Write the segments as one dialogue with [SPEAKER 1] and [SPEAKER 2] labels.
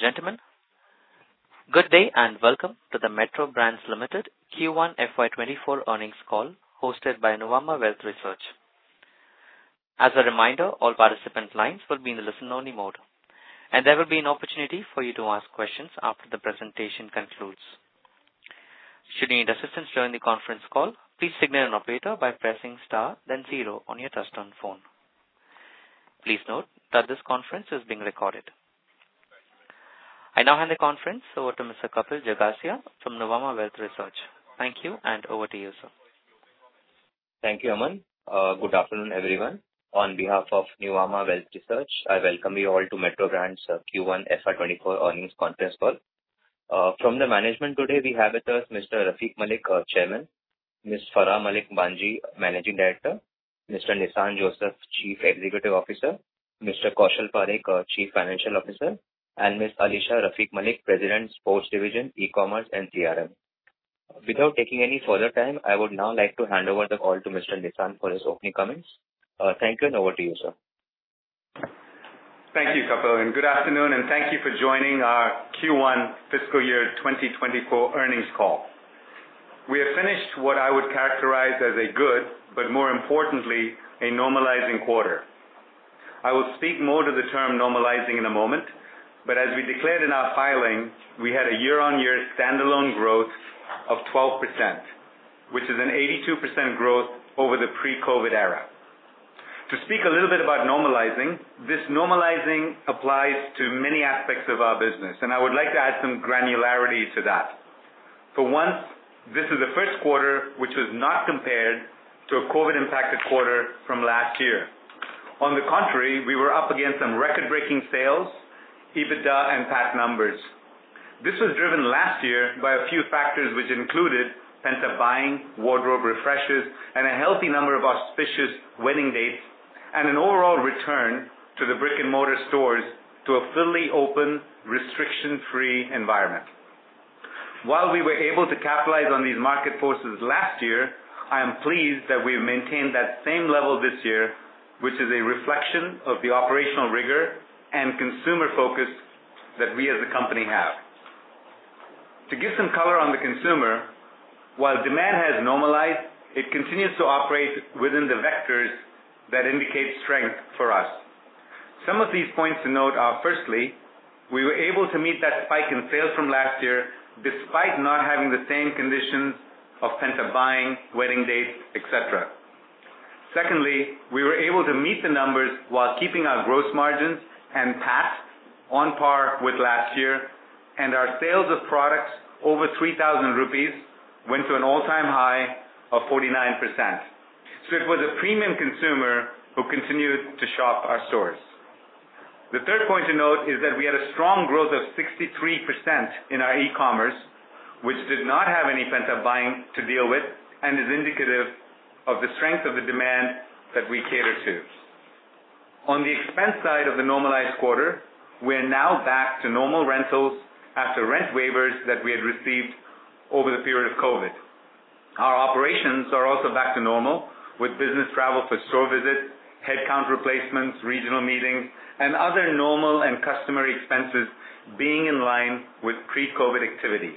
[SPEAKER 1] Ladies and gentlemen, good day and welcome to the Metro Brands Limited Q1 FY 2024 earnings call hosted by Nuvama Wealth Research. As a reminder, all participant lines will be in listen-only mode, and there will be an opportunity for you to ask questions after the presentation concludes. Should you need assistance during the conference call, please signal an operator by pressing star then zero on your touchtone phone. Please note that this conference is being recorded. I now hand the conference over to Mr. Kapil Jagasia from Nuvama Wealth Research. Thank you, and over to you, sir.
[SPEAKER 2] Thank you, Aman. Good afternoon, everyone. On behalf of Nuvama Wealth Research, I welcome you all to Metro Brands Q1 FY 2024 earnings conference call. From the management today, we have with us Mr. Rafique Malik, Chairman; Ms. Farah Malik Bhanji, Managing Director; Mr. Nissan Joseph, Chief Executive Officer; Mr. Kaushal Parekh, Chief Financial Officer; and Ms. Alisha Rafique Malik, President, Sports Division, E-commerce, and CRM. Without taking any further time, I would now like to hand over the call to Mr. Nissan for his opening comments. Thank you, and over to you, sir.
[SPEAKER 3] Thank you, Kapil, and good afternoon, and thank you for joining our Q1 fiscal year 2024 earnings call. We have finished what I would characterize as a good, but more importantly, a normalizing quarter. I will speak more to the term normalizing in a moment, but as we declared in our filing, we had a year-on-year standalone growth of 12%, which is an 82% growth over the pre-COVID era. To speak a little bit about normalizing, this normalizing applies to many aspects of our business, and I would like to add some granularity to that. For once, this is the first quarter which was not compared to a COVID-impacted quarter from last year. On the contrary, we were up against some record-breaking sales, EBITDA, and PAT numbers. This was driven last year by a few factors which included pent-up buying, wardrobe refreshes, and a healthy number of auspicious wedding dates, and an overall return to the brick-and-mortar stores to a fully open, restriction-free environment. While we were able to capitalize on these market forces last year, I am pleased that we've maintained that same level this year, which is a reflection of the operational rigor and consumer focus that we as a company have. To give some color on the consumer, while demand has normalized, it continues to operate within the vectors that indicate strength for us. Some of these points to note are, firstly, we were able to meet that spike in sales from last year despite not having the same conditions of pent-up buying, wedding dates, et cetera. Secondly, we were able to meet the numbers while keeping our gross margins and PAT on par with last year, and our sales of products over 3,000 rupees went to an all-time high of 49%. It was a premium consumer who continued to shop at our stores. The third point to note is that we had a strong growth of 63% in our e-commerce, which did not have any pent-up buying to deal with, and is indicative of the strength of the demand that we cater to. On the expense side of the normalized quarter, we are now back to normal rentals after rent waivers that we had received over the period of COVID. Our operations are also back to normal, with business travel for store visits, headcount replacements, regional meetings, and other normal and customary expenses being in line with pre-COVID activities.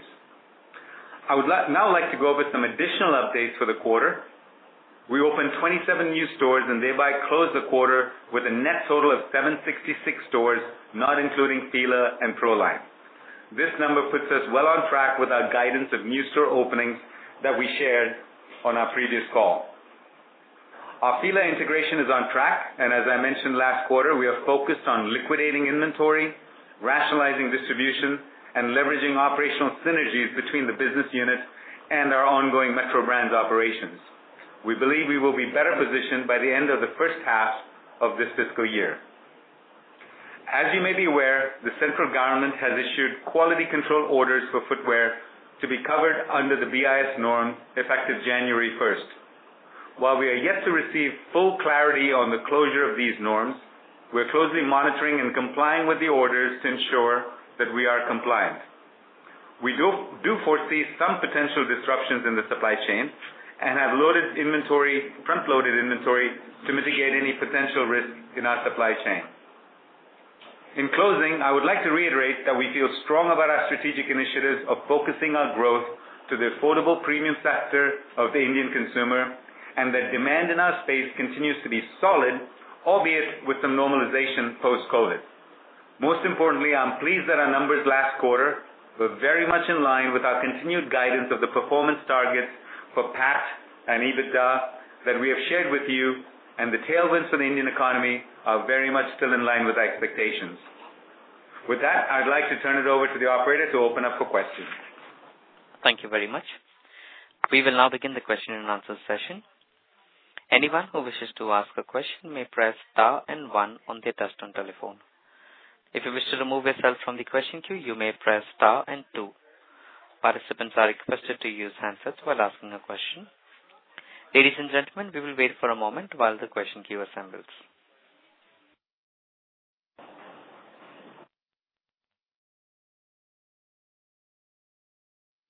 [SPEAKER 3] I would now like to go over some additional updates for the quarter. We opened 27 new stores and thereby closed the quarter with a net total of 766 stores, not including Fila and Proline. This number puts us well on track with our guidance of new store openings that we shared on our previous call. Our Fila integration is on track, and as I mentioned last quarter, we are focused on liquidating inventory, rationalizing distribution, and leveraging operational synergies between the business units and our ongoing Metro Brands operations. We believe we will be better positioned by the end of the first half of this fiscal year. As you may be aware, the central government has issued quality control orders for footwear to be covered under the BIS norm effective January 1st. While we are yet to receive full clarity on the closure of these norms, we are closely monitoring and complying with the orders to ensure that we are compliant. We do foresee some potential disruptions in the supply chain and have front-loaded inventory to mitigate any potential risk in our supply chain. In closing, I would like to reiterate that we feel strong about our strategic initiatives of focusing our growth to the affordable premium sector of the Indian consumer, and that demand in our space continues to be solid, albeit with some normalization post-COVID. Most importantly, I am pleased that our numbers last quarter were very much in line with our continued guidance of the performance targets for PAT and EBITDA that we have shared with you, and the tailwinds for the Indian economy are very much still in line with expectations. With that, I would like to turn it over to the operator to open up for questions.
[SPEAKER 1] Thank you very much. We will now begin the question and answer session. Anyone who wishes to ask a question may press star and 1 on their touchtone telephone. If you wish to remove yourself from the question queue, you may press star and 2. Participants are requested to use handsets while asking a question. Ladies and gentlemen, we will wait for a moment while the question queue assembles.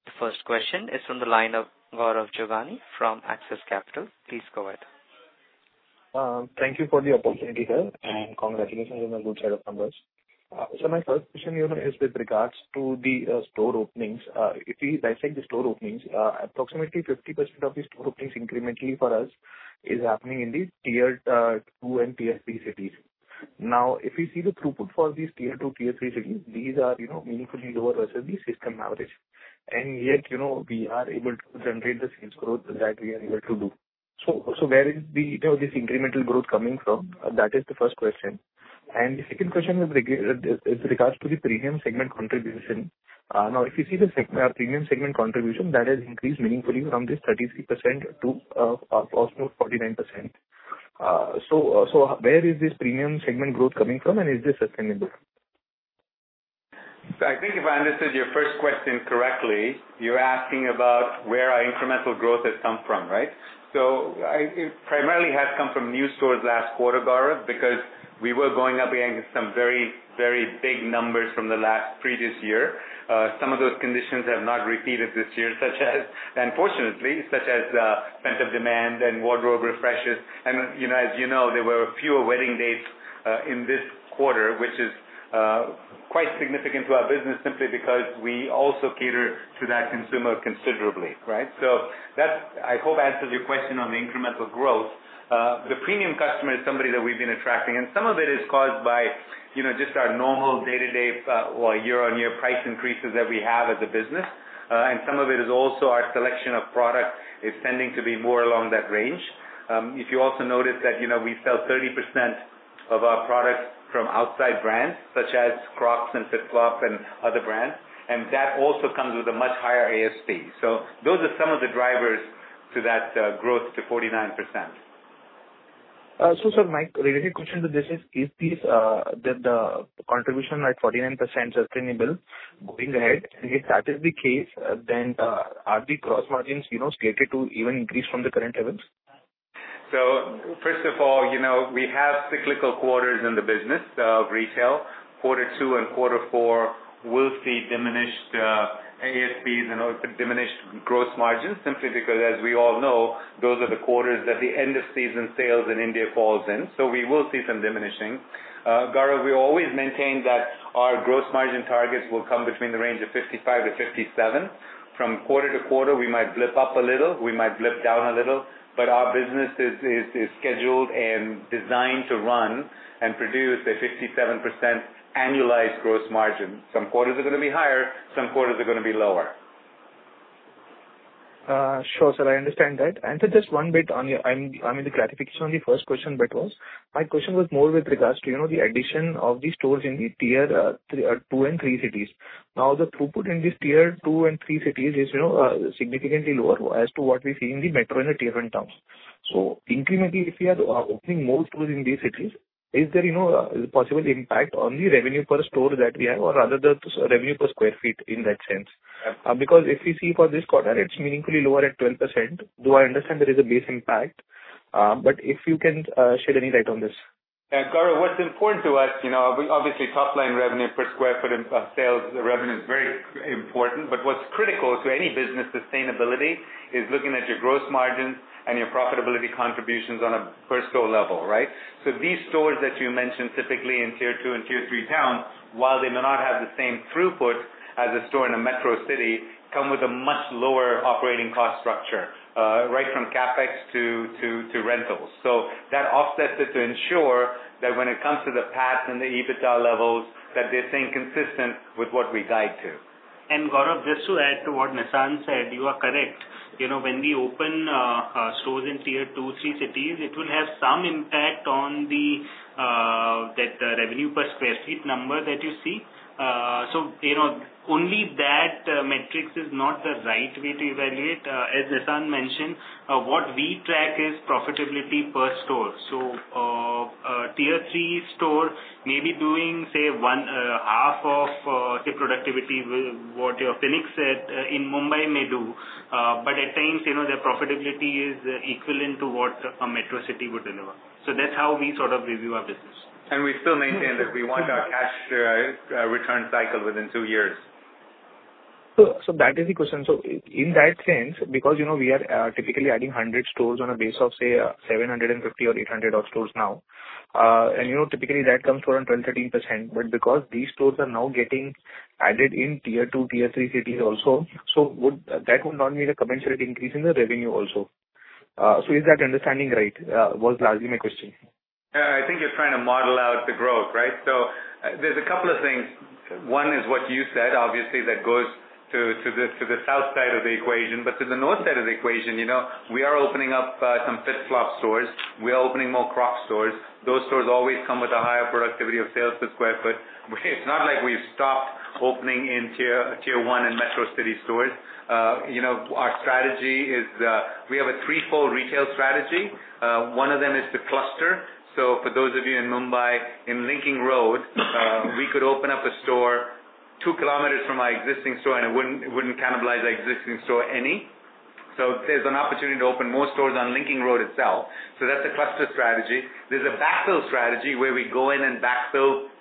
[SPEAKER 1] The first question is from the line of Gaurav Jogani from Axis Capital. Please go ahead.
[SPEAKER 4] Thank you for the opportunity here. Congratulations on the good set of numbers. My first question is with regards to the store openings. If we dissect the store openings, approximately 50% of the store openings incrementally for us is happening in these tier 2 and tier 3 cities. If we see the throughput for these tier 2, tier 3 cities, these are meaningfully lower versus the system average. Yet, we are able to generate the sales growth that we are able to do. Where is this incremental growth coming from? That is the first question. The second question is with regards to the premium segment contribution. If you see our premium segment contribution, that has increased meaningfully from this 33% to close to 49%. Where is this premium segment growth coming from, and is this sustainable?
[SPEAKER 3] I think if I understood your first question correctly, you're asking about where our incremental growth has come from, right? It primarily has come from new stores last quarter, Gaurav, because we were going up against some very, very big numbers from the last previous year. Some of those conditions have not repeated this year, unfortunately, such as pent-up demand and wardrobe refreshes. As you know, there were fewer wedding dates in this quarter, which is quite significant to our business simply because we also cater to that consumer considerably, right? That, I hope, answers your question on the incremental growth. The premium customer is somebody that we've been attracting, and some of it is caused by just our normal day-to-day or year-on-year price increases that we have as a business. Some of it is also our selection of product is tending to be more along that range. If you also notice that we sell 30% of our products from outside brands such as Crocs and FitFlop and other brands, that also comes with a much higher ASP. Those are some of the drivers to that growth to 49%.
[SPEAKER 4] sir, my related question to this is the contribution at 49% sustainable going ahead? If that is the case, are the gross margins slated to even increase from the current levels?
[SPEAKER 3] First of all, we have cyclical quarters in the business of retail. Quarter 2 and Quarter 4 will see diminished ASPs and diminished gross margins simply because, as we all know, those are the quarters that the end-of-season sales in India falls in. We will see some diminishing. Gaurav, we always maintain that our gross margin targets will come between the range of 55%-57%. From quarter to quarter, we might blip up a little, we might blip down a little, but our business is scheduled and designed to run and produce a 57% annualized gross margin. Some quarters are gonna be higher, some quarters are gonna be lower.
[SPEAKER 4] Sure, sir, I understand that. I mean, the clarification on the first question because my question was more with regards to the addition of the stores in the tier 2 and 3 cities. The throughput in these tier 2 and 3 cities is significantly lower as to what we see in the metro and the tier 1 towns. Incrementally, if we are opening more stores in these cities, is there a possible impact on the revenue per store that we have or rather the revenue per sq ft in that sense? Because if we see for this quarter, it's meaningfully lower at 12%. Though I understand there is a base impact. If you can shed any light on this.
[SPEAKER 3] Yeah, Gaurav, what's important to us, obviously top-line revenue per sq ft of sales revenue is very important, what's critical to any business sustainability is looking at your gross margins and your profitability contributions on a per store level, right? These stores that you mentioned typically in tier 2 and tier 3 towns, while they may not have the same throughput as a store in a metro city, come with a much lower operating cost structure, right from CapEx to rentals. That offsets it to ensure that when it comes to the PAT and the EBITDA levels, that they're staying consistent with what we guide to.
[SPEAKER 5] Gaurav, just to add to what Nissan said, you are correct. When we open stores in tier 2, 3 cities, it will have some impact on the revenue per sq ft number that you see. Only that matrix is not the right way to evaluate. As Nissan mentioned, what we track is profitability per store. A tier 3 store may be doing, say, one half of the productivity what your Phoenix set in Mumbai may do. But at times, their profitability is equivalent to what a metro city would deliver. That's how we sort of review our business.
[SPEAKER 3] We still maintain that we want our cash return cycle within two years.
[SPEAKER 4] That is the question. In that sense, because we are typically adding 100 stores on a base of, say, 750 or 800 odd stores now, and typically that comes to around 12%-13%, because these stores are now getting added in tier 2, tier 3 cities also, that would not need a commensurate increase in the revenue also. Is that understanding right? Was largely my question.
[SPEAKER 3] I think you're trying to model out the growth, right? There's a couple of things. One is what you said, obviously, that goes to the south side of the equation, but to the north side of the equation, we are opening up some FitFlop stores. We are opening more Crocs stores. Those stores always come with a higher productivity of sales per sq ft. It's not like we've stopped opening in tier 1 and metro city stores. Our strategy is, we have a threefold retail strategy. One of them is to cluster. For those of you in Mumbai, in Linking Road, we could open up a store two kilometers from our existing store, and it wouldn't cannibalize our existing store any.
[SPEAKER 5] There's an opportunity to open more stores on Linking Road itself. That's a cluster strategy. There's a backfill strategy where we go in and backfill,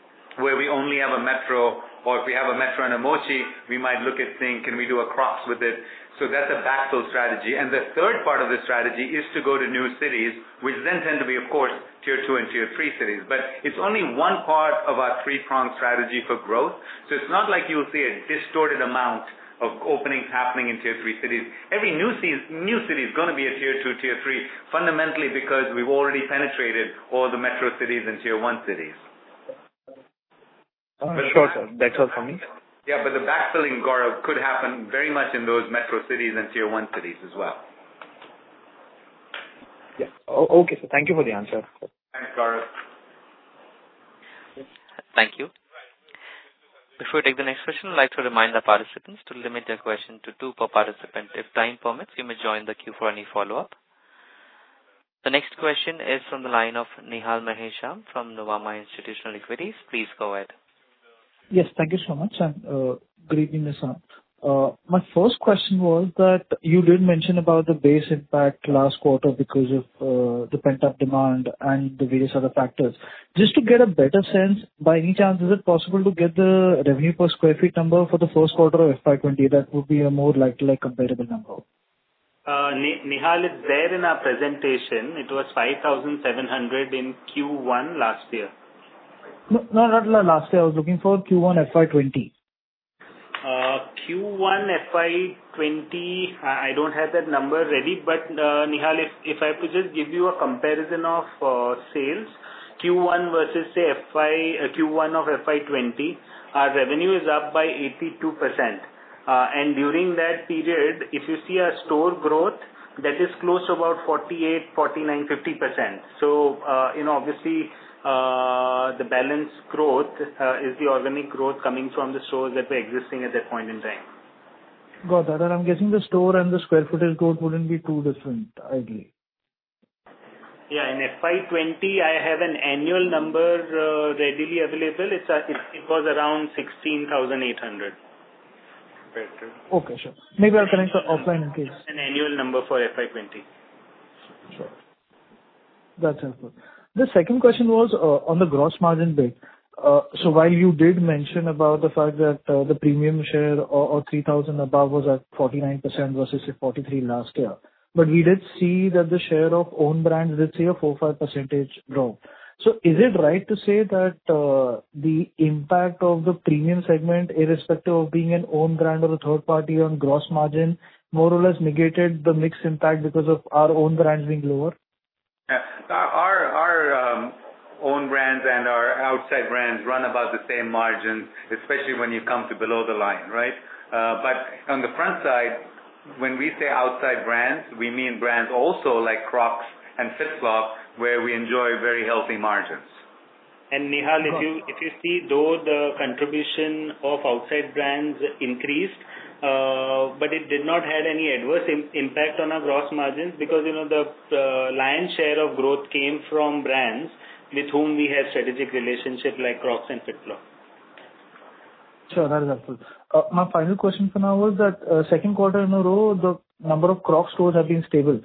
[SPEAKER 5] where we only have a Metro, or if we have a Metro and a Mochi, we might look at saying, "Can we do a Crocs with it?" That's a backfill strategy. The third part of the strategy is to go to new cities, which then tend to be, of course, tier 2 and tier 3 cities. It's only one part of our three-pronged strategy for growth. It's not like you'll see a distorted amount of openings happening in tier 3 cities. Every new city is going to be a tier 2, tier 3, fundamentally because we've already penetrated all the metro cities and tier 1 cities.
[SPEAKER 4] Sure, sir. That's all from me.
[SPEAKER 5] The backfilling, Gaurav, could happen very much in those metro cities and tier 1 cities as well.
[SPEAKER 4] Okay, sir. Thank you for the answer.
[SPEAKER 5] Thanks, Gaurav.
[SPEAKER 1] Thank you. Before we take the next question, I'd like to remind our participants to limit their question to two per participant. If time permits, you may join the queue for any follow-up. The next question is from the line of Nihal Maheshwari from Nuvama Institutional Equities. Please go ahead.
[SPEAKER 6] Yes, thank you so much, good evening, Nissan. My first question was that you did mention about the base impact last quarter because of the pent-up demand and the various other factors. Just to get a better sense, by any chance, is it possible to get the revenue per square feet number for the first quarter of FY 2020? That would be a more like to like comparable number.
[SPEAKER 5] Nihal, it's there in our presentation. It was 5,700 in Q1 last year.
[SPEAKER 6] No, not last year. I was looking for Q1 FY 2020.
[SPEAKER 5] Q1 FY 2020, I don't have that number ready. Nihal, if I could just give you a comparison of sales, Q1 versus, say, Q1 of FY 2020, our revenue is up by 82%. During that period, if you see our store growth, that is close to about 48%, 49%, 50%. Obviously, the balance growth is the organic growth coming from the stores that were existing at that point in time.
[SPEAKER 6] Got that. I'm guessing the store and the square footage growth wouldn't be too different, ideally.
[SPEAKER 5] Yeah. In FY 2020, I have an annual number readily available. It was around 16,800.
[SPEAKER 6] Okay, sure. Maybe I'll connect offline in case.
[SPEAKER 5] An annual number for FY 2020.
[SPEAKER 6] Sure. That's helpful. The second question was on the gross margin bit. While you did mention about the fact that the premium share or 3,000 above was at 49% versus 43% last year, we did see that the share of own brands, let's say, a 4%-5% drop. Is it right to say that the impact of the premium segment, irrespective of being an own brand or a third party on gross margin, more or less negated the mix impact because of our own brands being lower?
[SPEAKER 5] Yeah. Our own brands and our outside brands run about the same margins, especially when you come to below the line. Right? On the front side, when we say outside brands, we mean brands also like Crocs and FitFlop, where we enjoy very healthy margins.
[SPEAKER 6] Nihal, if you see, though the contribution of outside brands increased, it did not have any adverse impact on our gross margins because the lion's share of growth came from brands with whom we have strategic relationship, like Crocs and FitFlop. Sure, that's helpful. My final question for now is that second quarter in a row, the number of Crocs stores have been stable,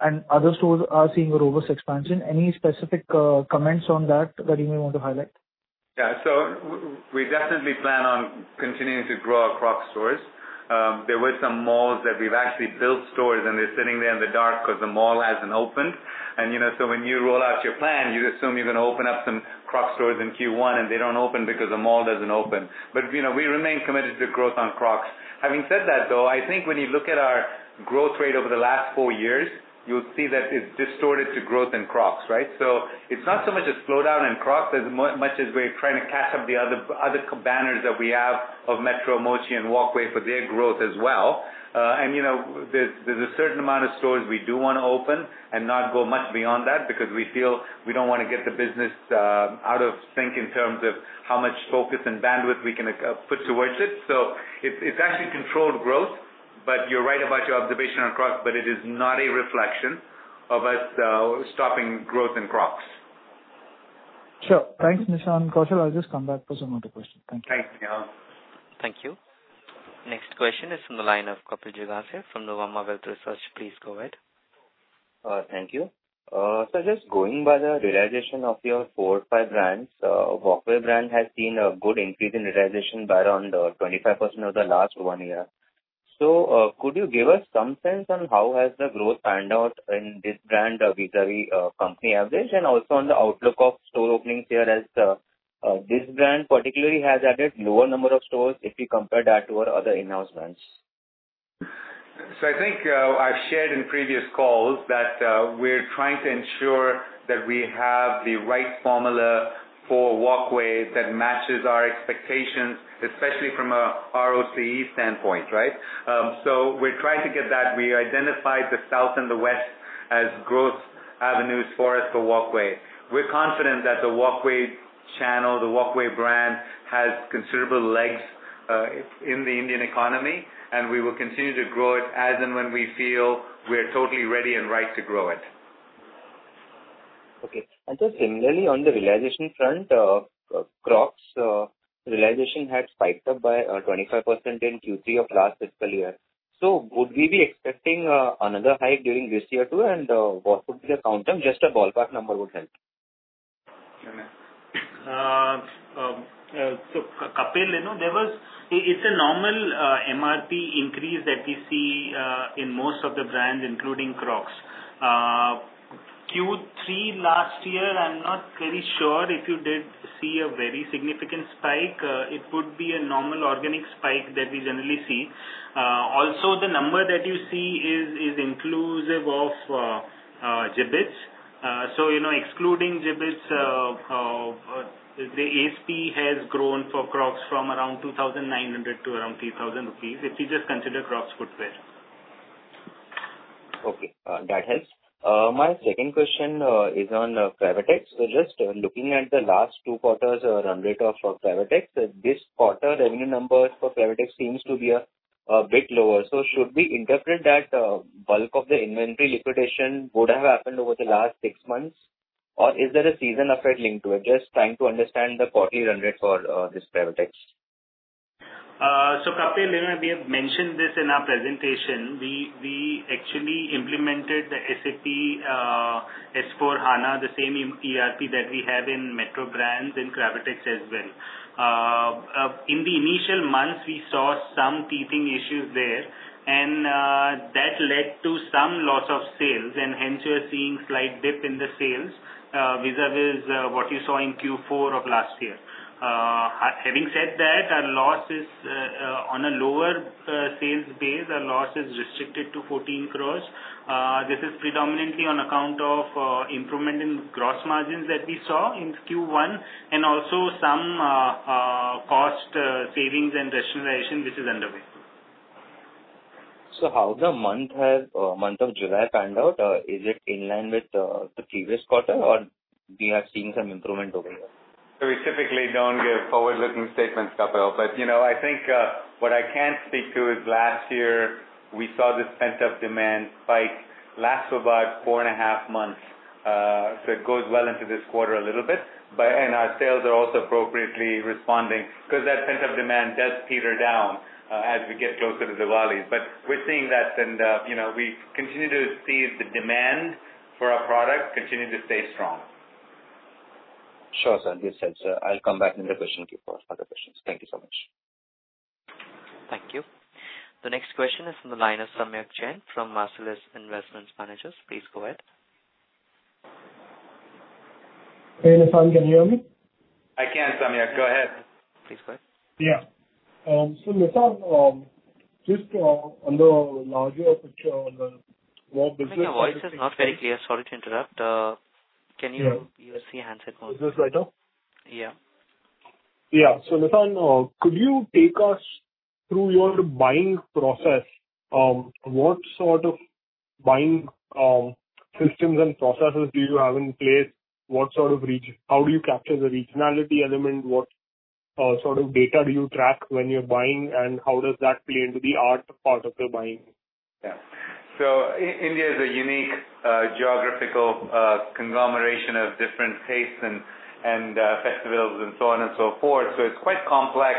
[SPEAKER 6] and other stores are seeing a robust expansion. Any specific comments on that that you may want to highlight?
[SPEAKER 5] Yeah. We definitely plan on continuing to grow our Crocs stores. There were some malls that we've actually built stores, and they're sitting there in the dark because the mall hasn't opened. When you roll out your plan, you assume you're going to open up some Crocs stores in Q1, and they don't open because the mall doesn't open. We remain committed to growth on Crocs. Having said that, though, I think when you look at our growth rate over the last four years, you'll see that it's distorted to growth in Crocs, right? It's not so much a slowdown in Crocs as much as we're trying to catch up the other banners that we have of Metro, Mochi, and Walkway for their growth as well. There's a certain amount of stores we do want to open and not go much beyond that because we feel we don't want to get the business out of sync in terms of how much focus and bandwidth we can put towards it. It's actually controlled growth, you're right about your observation on Crocs, it is not a reflection of us stopping growth in Crocs.
[SPEAKER 6] Sure. Thanks, Nissan. Kaushal, I'll just come back for some other question. Thank you.
[SPEAKER 5] Thanks, Nihal.
[SPEAKER 1] Thank you. Next question is from the line of Kapil Jagasia from Nuvama Wealth Research. Please go ahead.
[SPEAKER 2] Thank you. Just going by the realization of your four, five brands, Walkway brand has seen a good increase in realization by around 25% over the last one year. Could you give us some sense on how has the growth panned out in this brand vis-à-vis company average and also on the outlook of store openings here as this brand particularly has added lower number of stores if you compare that to our other in-house brands?
[SPEAKER 5] I think I've shared in previous calls that we're trying to ensure that we have the right formula for Walkway that matches our expectations, especially from a ROCE standpoint, right? We're trying to get that. We identified the South and the West as growth avenues for us for Walkway. We're confident that the Walkway channel, the Walkway brand, has considerable legs in the Indian economy, and we will continue to grow it as and when we feel we're totally ready and right to grow it.
[SPEAKER 2] Similarly, on the realization front, Crocs realization had spiked up by 25% in Q3 of last fiscal year. Would we be expecting another hike during this year too, and what would be the countdown? Just a ballpark number would help.
[SPEAKER 5] Kapil, it's a normal MRP increase that we see in most of the brands, including Crocs. Q3 last year, I'm not very sure if you did see a very significant spike. It would be a normal organic spike that we generally see. Also, the number that you see is inclusive of Jibbitz. Excluding Jibbitz, the ASP has grown for Crocs from around 2,900 to around 3,000 rupees, if you just consider Crocs footwear.
[SPEAKER 2] Okay, that helps. My second question is on Cravatex. Just looking at the last two quarters run rate for Cravatex, this quarter revenue numbers for Cravatex seems to be a bit lower. Should we interpret that bulk of the inventory liquidation would have happened over the last six months, or is there a season effect linked to it? Just trying to understand the quarterly run rate for this Cravatex.
[SPEAKER 5] Kapil, we have mentioned this in our presentation. We actually implemented the SAP S/4HANA, the same ERP that we have in Metro Brands, in Cravatex as well. In the initial months, we saw some teething issues there, and that led to some loss of sales, and hence you're seeing slight dip in the sales vis-a-vis what you saw in Q4 of last year. Having said that, on a lower sales base, our loss is restricted to 14 crores. This is predominantly on account of improvement in gross margins that we saw in Q1, and also some cost savings and rationalization which is underway.
[SPEAKER 2] How the month of July panned out, is it in line with the previous quarter or we are seeing some improvement over there?
[SPEAKER 5] We typically don't give forward-looking statements, Kapil, but I think, what I can speak to is last year, we saw this pent-up demand spike last for about four and a half months. It goes well into this quarter a little bit. Our sales are also appropriately responding because that pent-up demand does peter down as we get closer to Diwali. We're seeing that and we continue to see the demand for our product continue to stay strong.
[SPEAKER 2] Sure, sir. I'll come back in the question queue for other questions. Thank you so much.
[SPEAKER 1] Thank you. The next question is from the line of Samyak Jain from Marcellus Investment Managers. Please go ahead.
[SPEAKER 7] Hey, Nissan. Can you hear me?
[SPEAKER 3] I can, Samyak. Go ahead.
[SPEAKER 1] Please go ahead.
[SPEAKER 7] Yeah. Nissan, just on the larger picture on the whole business.
[SPEAKER 1] Your voice is not very clear. Sorry to interrupt.
[SPEAKER 7] Yeah.
[SPEAKER 1] Can you use the handset mode?
[SPEAKER 7] Is this better?
[SPEAKER 1] Yeah.
[SPEAKER 7] Yeah. Nissan, could you take us through your buying process? What sort of buying systems and processes do you have in place? How do you capture the regionality element? What sort of data do you track when you're buying, and how does that play into the art part of the buying?
[SPEAKER 3] Yeah. India is a unique geographical conglomeration of different tastes and festivals and so on and so forth. It's quite complex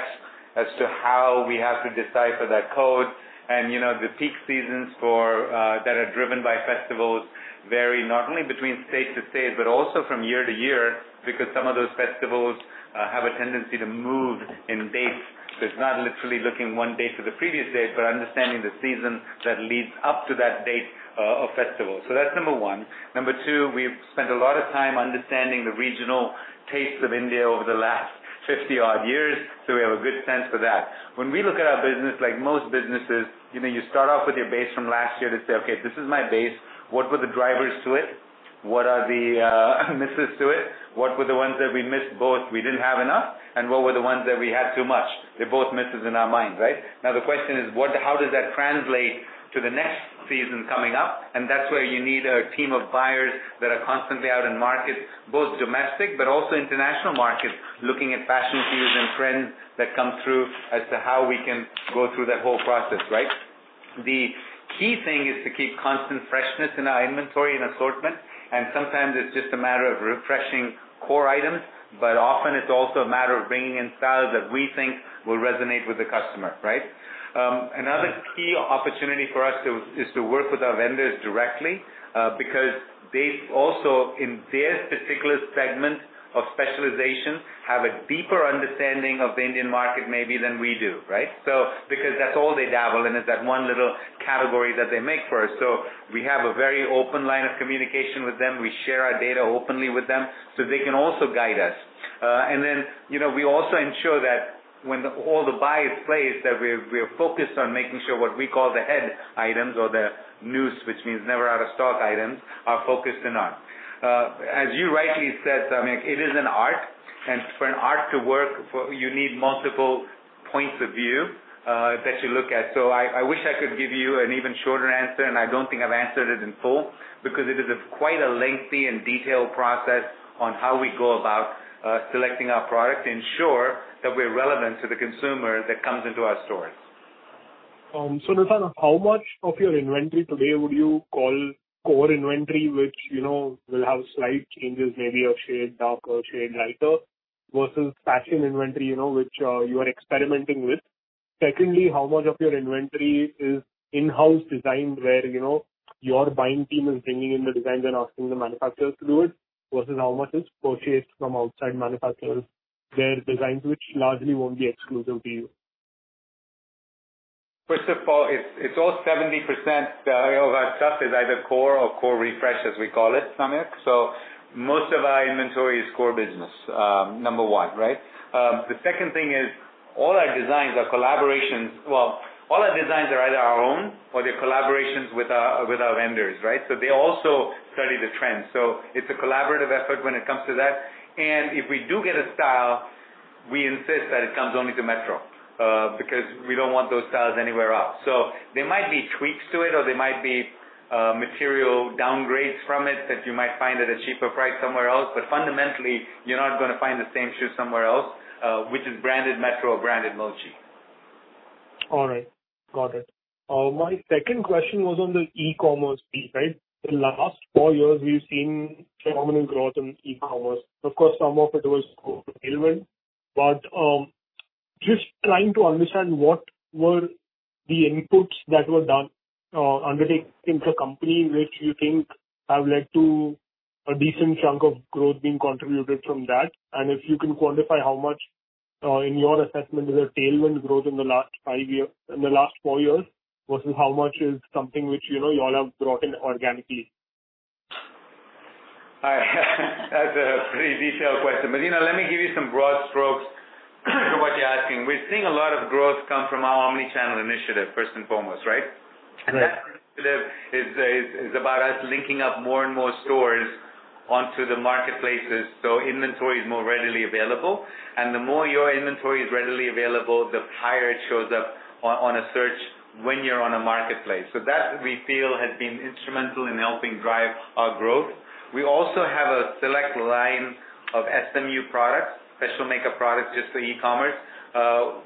[SPEAKER 3] as to how we have to decipher that code. The peak seasons that are driven by festivals vary not only between state to state, but also from year to year, because some of those festivals have a tendency to move in dates. It's not literally looking one date to the previous date, but understanding the season that leads up to that date of festival. That's number one. Number two, we've spent a lot of time understanding the regional tastes of India over the last 50 odd years, so we have a good sense for that. When we look at our business, like most businesses, you start off with your base from last year to say, "Okay, this is my base. What were the drivers to it? What are the misses to it? What were the ones that we missed, both we didn't have enough, and what were the ones that we had too much?" They're both misses in our minds, right? The question is, how does that translate to the next season coming up? That's where you need a team of buyers that are constantly out in markets, both domestic but also international markets, looking at fashion views and trends that come through as to how we can go through that whole process, right? The key thing is to keep constant freshness in our inventory and assortment, and sometimes it's just a matter of refreshing core items, but often it's also a matter of bringing in styles that we think will resonate with the customer, right? Another key opportunity for us is to work with our vendors directly, because they also, in their particular segment of specialization, have a deeper understanding of the Indian market maybe than we do, right? Because that's all they dabble in, is that one little category that they make for us. We have a very open line of communication with them. We share our data openly with them so they can also guide us. Then, we also ensure that when all the buy is placed, that we're focused on making sure what we call the head items or the NOOS, which means never out of stock items, are focused in on. As you rightly said, Samyak, it is an art, and for an art to work, you need multiple points of view that you look at. I wish I could give you an even shorter answer, and I don't think I've answered it in full, because it is quite a lengthy and detailed process on how we go about selecting our product to ensure that we're relevant to the consumer that comes into our stores.
[SPEAKER 7] Nissan, how much of your inventory today would you call core inventory, which will have slight changes, maybe a shade darker, a shade lighter, versus fashion inventory, which you are experimenting with? Secondly, how much of your inventory is in-house designed where your buying team is bringing in the designs and asking the manufacturers to do it, versus how much is purchased from outside manufacturers, their designs, which largely won't be exclusive to you?
[SPEAKER 3] First of all, it's all 70% of our stuff is either core or core refresh, as we call it, Samyak. Most of our inventory is core business, number one, right? The second thing is, all our designs are either our own or they're collaborations with our vendors, right? They also study the trends. It's a collaborative effort when it comes to that. If we do get a style, we insist that it comes only to Metro, because we don't want those styles anywhere else. There might be tweaks to it or there might be material downgrades from it that you might find at a cheaper price somewhere else. Fundamentally, you're not going to find the same shoe somewhere else, which is branded Metro or branded Mochi.
[SPEAKER 7] All right. Got it. My second question was on the e-commerce piece, right? The last four years, we've seen phenomenal growth in e-commerce. Of course, some of it was tailwind. Just trying to understand what were the inputs that were done or undertaken in the company, which you think have led to a decent chunk of growth being contributed from that. If you can quantify how much, in your assessment, is a tailwind growth in the last four years, versus how much is something which you all have brought in organically.
[SPEAKER 3] That's a pretty detailed question. Let me give you some broad strokes to what you're asking. We're seeing a lot of growth come from our omni-channel initiative, first and foremost, right?
[SPEAKER 7] Right.
[SPEAKER 3] That initiative is about us linking up more and more stores onto the marketplaces so inventory is more readily available. The more your inventory is readily available, the higher it shows up on a search when you're on a marketplace. That, we feel, has been instrumental in helping drive our growth. We also have a select line of SMU products, special make-up products, just for e-commerce.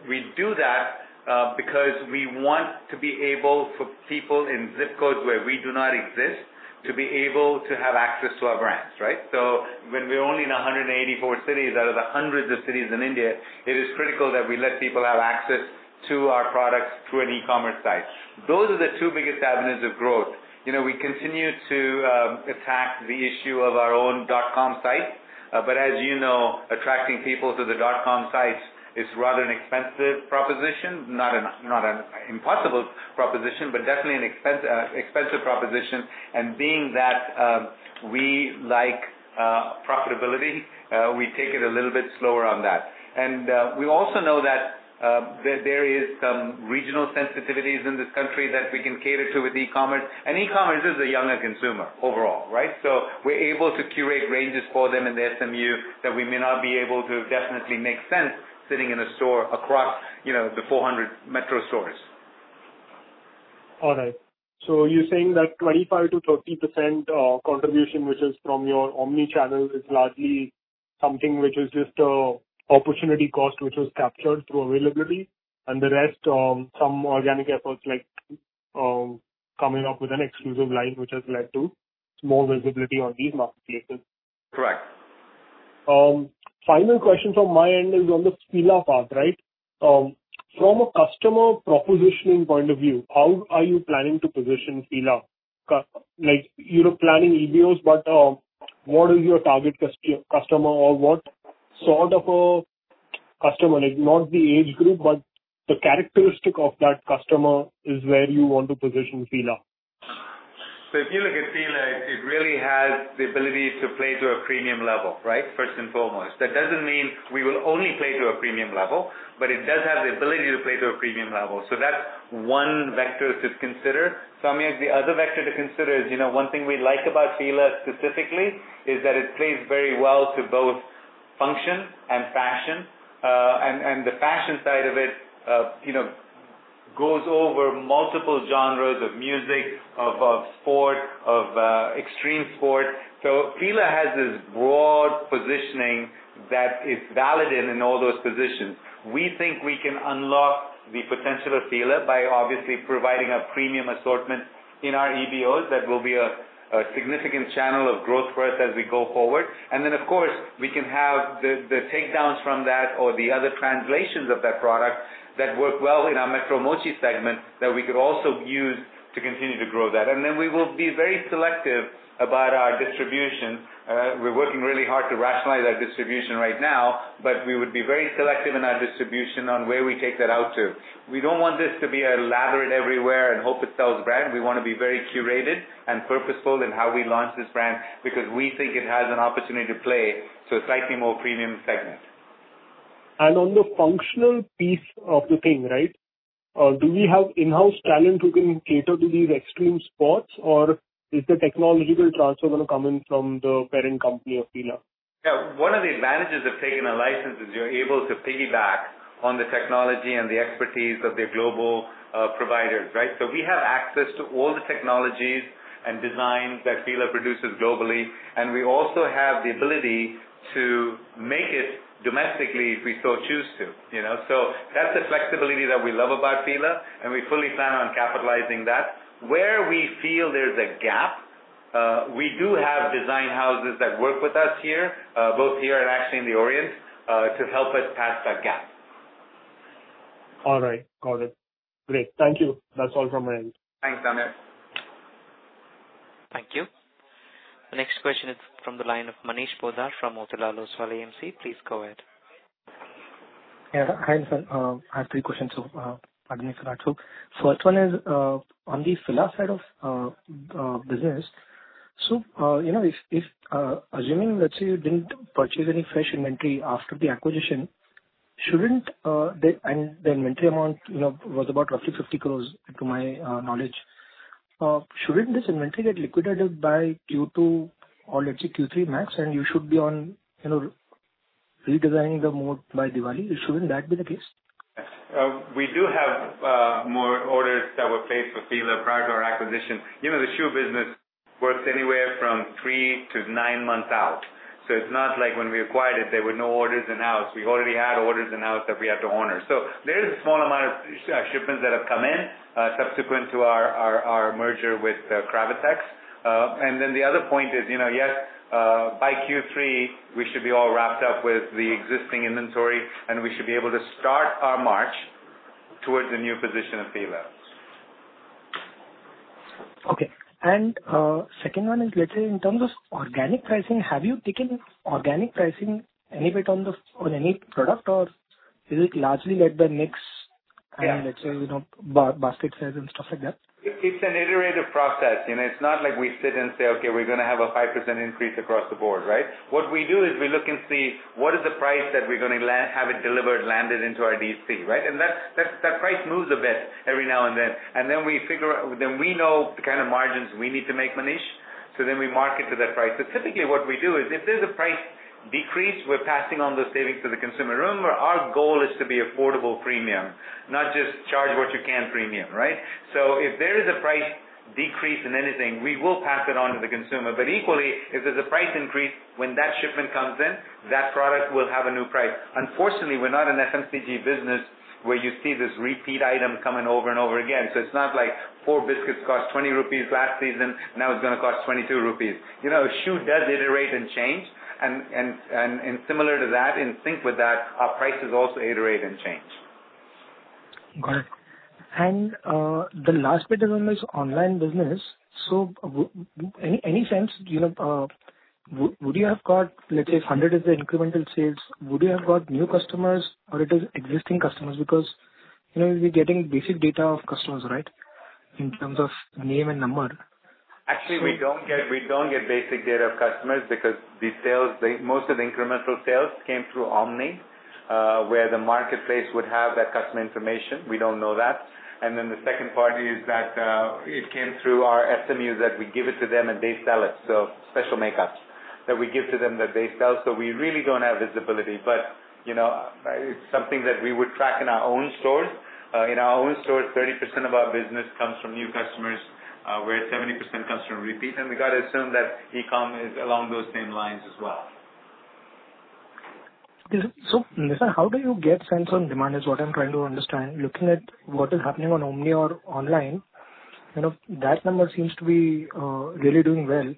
[SPEAKER 3] We do that because we want to be able, for people in ZIP codes where we do not exist, to be able to have access to our brands, right? When we're only in 184 cities out of the hundreds of cities in India, it is critical that we let people have access to our products through an e-commerce site. Those are the two biggest avenues of growth. We continue to attack the issue of our own .com site. As you know, attracting people to the .com site is rather an expensive proposition. Not an impossible proposition, but definitely an expensive proposition. Being that we like profitability, we take it a little bit slower on that. We also know that there is some regional sensitivities in this country that we can cater to with e-commerce. E-commerce is a younger consumer overall, right? We're able to curate ranges for them in the SMU that we may not be able to definitely make sense sitting in a store across the 400 Metro stores.
[SPEAKER 7] All right. You're saying that 25%-30% contribution, which is from your omni-channel, is largely something which is just a opportunity cost, which was captured through availability, and the rest, some organic efforts like coming up with an exclusive line, which has led to more visibility on these marketplaces.
[SPEAKER 3] Correct.
[SPEAKER 7] Final question from my end is on the Fila part, right? From a customer propositioning point of view, how are you planning to position Fila? Like, you're planning EBOs, but what is your target customer or what sort of a customer, like not the age group, but the characteristic of that customer is where you want to position Fila.
[SPEAKER 3] If you look at Fila, it really has the ability to play to a premium level, right, first and foremost. That doesn't mean we will only play to a premium level, but it does have the ability to play to a premium level. That's one vector to consider. Samyak Jain, the other vector to consider is, one thing we like about Fila specifically is that it plays very well to both function and fashion. The fashion side of it goes over multiple genres of music, of sport, of extreme sport. Fila has this broad positioning that is valid in all those positions. We think we can unlock the potential of Fila by obviously providing a premium assortment in our EBOs that will be a significant channel of growth for us as we go forward. Of course, we can have the takedowns from that or the other translations of that product that work well in our Metro Mochi segment that we could also use to continue to grow that. We will be very selective about our distribution. We're working really hard to rationalize our distribution right now, but we would be very selective in our distribution on where we take that out to. We don't want this to be a lather it everywhere and hope it sells brand. We want to be very curated and purposeful in how we launch this brand because we think it has an opportunity to play to a slightly more premium segment.
[SPEAKER 7] On the functional piece of the thing, right, do we have in-house talent who can cater to these extreme sports, or is the technological transfer going to come in from the parent company of Fila?
[SPEAKER 3] Yeah. One of the advantages of taking a license is you're able to piggyback on the technology and the expertise of their global providers, right? We have access to all the technologies and designs that Fila produces globally, and we also have the ability to make it domestically if we so choose to. That's the flexibility that we love about Fila, and we fully plan on capitalizing that. Where we feel there's a gap. We do have design houses that work with us here, both here and actually in the Orient, to help us pass that gap.
[SPEAKER 7] All right. Got it. Great. Thank you. That's all from my end.
[SPEAKER 3] Thanks, Samyak.
[SPEAKER 1] Thank you. The next question is from the line of Manish Poddar from Motilal Oswal AMC. Please go ahead.
[SPEAKER 8] Yeah. Hi, sir. I have three questions. Pardon me if I ask two. First one is, on the Fila side of business. Assuming, let's say you didn't purchase any fresh inventory after the acquisition, and the inventory amount was about roughly 50 crores to my knowledge. Shouldn't this inventory get liquidated by Q2 or let's say Q3 max, and you should be on redesigning the mode by Diwali? Shouldn't that be the case?
[SPEAKER 3] We do have more orders that were placed for Fila prior to our acquisition. The shoe business works anywhere from three to nine months out. It's not like when we acquired it, there were no orders in-house. We already had orders in-house that we have to honor. There is a small amount of shipments that have come in subsequent to our merger with Cravatex. The other point is, yes, by Q3, we should be all wrapped up with the existing inventory, and we should be able to start our march towards the new position of Fila.
[SPEAKER 8] Okay. Second one is, let's say in terms of organic pricing, have you taken organic pricing any bit on any product, or is it largely led by mix-
[SPEAKER 3] Yeah
[SPEAKER 8] Let's say, basket sales and stuff like that?
[SPEAKER 3] It's an iterative process. It's not like we sit and say, "Okay, we're going to have a 5% increase across the board." Right? What we do is we look and see what is the price that we're going to have it delivered, landed into our DC. Right? That price moves a bit every now and then. We know the kind of margins we need to make, Manish, we mark it to that price. Typically what we do is if there's a price decrease, we're passing on those savings to the consumer. Remember, our goal is to be affordable premium, not just charge what you can premium, right? If there is a price decrease in anything, we will pass it on to the consumer. Equally, if there's a price increase when that shipment comes in, that product will have a new price. Unfortunately, we're not an FMCG business where you see this repeat item coming over and over again. It's not like four biscuits cost 20 rupees last season, now it's going to cost 22 rupees. A shoe does iterate and change, and similar to that, in sync with that, our prices also iterate and change.
[SPEAKER 8] Got it. The last bit is on this online business. Any sense, would you have got, let's say, 100 is the incremental sales. Would you have got new customers or it is existing customers? Because you know we're getting basic data of customers, right, in terms of name and number.
[SPEAKER 3] Actually, we don't get basic data of customers because most of the incremental sales came through Omni, where the marketplace would have that customer information. We don't know that. The second part is that it came through our SMUs, that we give it to them, and they sell it. Special make-ups that we give to them, that they sell. We really don't have visibility. It's something that we would track in our own stores. In our own stores, 30% of our business comes from new customers, where 70% comes from repeat. We got to assume that e-com is along those same lines as well.
[SPEAKER 8] Sir, how do you get sense on demand, is what I'm trying to understand. Looking at what is happening on Omni or online, that number seems to be really doing well.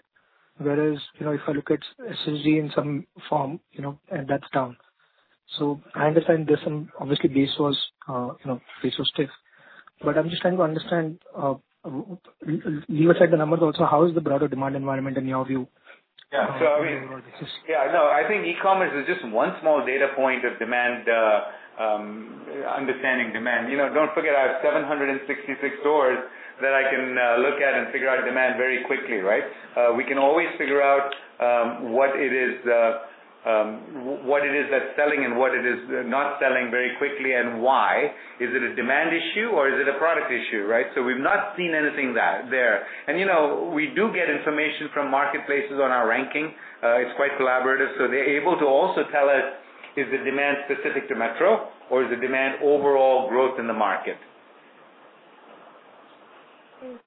[SPEAKER 8] Whereas if I look at SSG in some form, and that's down. I understand there's obviously base was stiff. I'm just trying to understand, leave aside the numbers also, how is the broader demand environment in your view?
[SPEAKER 3] No, I think e-commerce is just one small data point of understanding demand. Don't forget, I have 766 stores that I can look at and figure out demand very quickly. Right? We can always figure out what it is that's selling and what it is not selling very quickly, and why. Is it a demand issue or is it a product issue, right? We've not seen anything there. We do get information from marketplaces on our ranking. It's quite collaborative. They're able to also tell us, is the demand specific to Metro or is the demand overall growth in the market?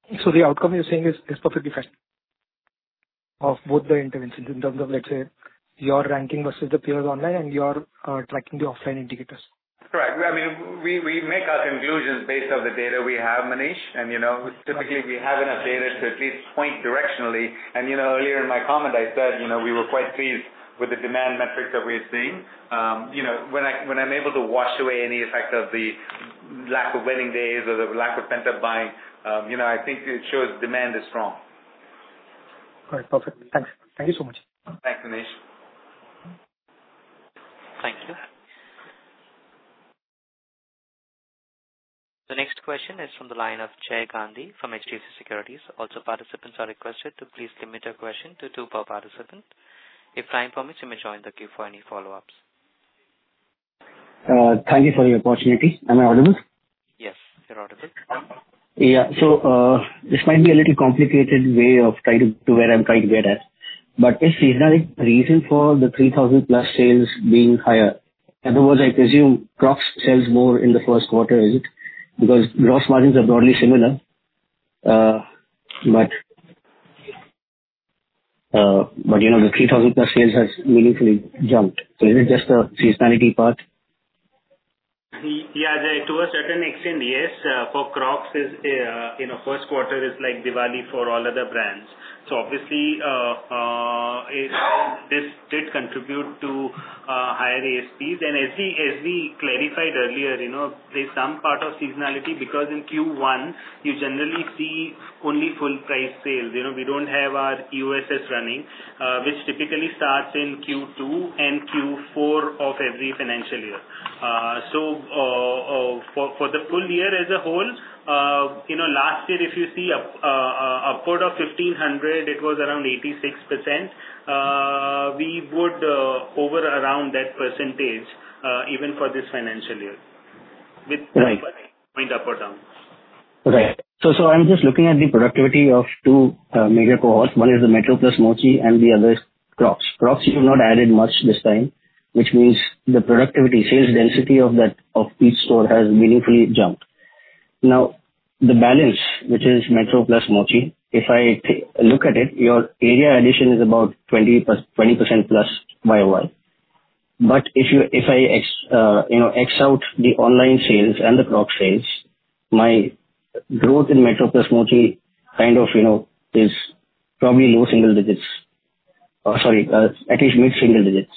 [SPEAKER 8] The outcome you're saying is perfectly fresh of both the interventions in terms of, let's say, your ranking versus the peers online and your tracking the offline indicators.
[SPEAKER 3] Correct. We make our conclusions based on the data we have, Manish, typically we have enough data to at least point directionally. Earlier in my comment, I said we were quite pleased with the demand metrics that we are seeing. When I'm able to wash away any effect of the lack of wedding days or the lack of pent-up buying, I think it shows demand is strong.
[SPEAKER 8] All right. Perfect. Thanks. Thank you so much.
[SPEAKER 3] Thanks, Manish.
[SPEAKER 1] Thank you. The next question is from the line of Jay Gandhi from HDFC Securities. Participants are requested to please limit your question to two per participant. If time permits, you may join the queue for any follow-ups.
[SPEAKER 9] Thank you for the opportunity. Am I audible?
[SPEAKER 1] Yes, you're audible.
[SPEAKER 9] Yeah. This might be a little complicated way of trying to where I'm trying to get at. Is seasonality the reason for the 3,000 plus sales being higher? In other words, I presume Crocs sells more in the first quarter, is it? Gross margins are broadly similar. The 3,000 plus sales has meaningfully jumped. Is it just the seasonality part?
[SPEAKER 5] Yeah. To a certain extent, yes. For Crocs, first quarter is like Diwali for all other brands. Obviously, this did contribute to higher ASPs. As we clarified earlier, there's some part of seasonality, because in Q1, you generally see only full price sales. We don't have our EOSS running, which typically starts in Q2 and Q4 of every financial year. For the full year as a whole, last year, if you see upward of 1,500, it was around 86%. We would hover around that % even for this financial year.
[SPEAKER 9] Right.
[SPEAKER 5] With ± point upward bound.
[SPEAKER 9] Okay. I'm just looking at the productivity of two major cohorts. One is the Metro plus Mochi and the other is Crocs. Crocs you've not added much this time, which means the productivity, sales density of each store has meaningfully jumped. The balance, which is Metro plus Mochi, if I look at it, your area addition is about 20% plus year-over-year. If I x out the online sales and the Crocs sales, my growth in Metro plus Mochi is probably low single digits. Sorry, at least mid-single digits.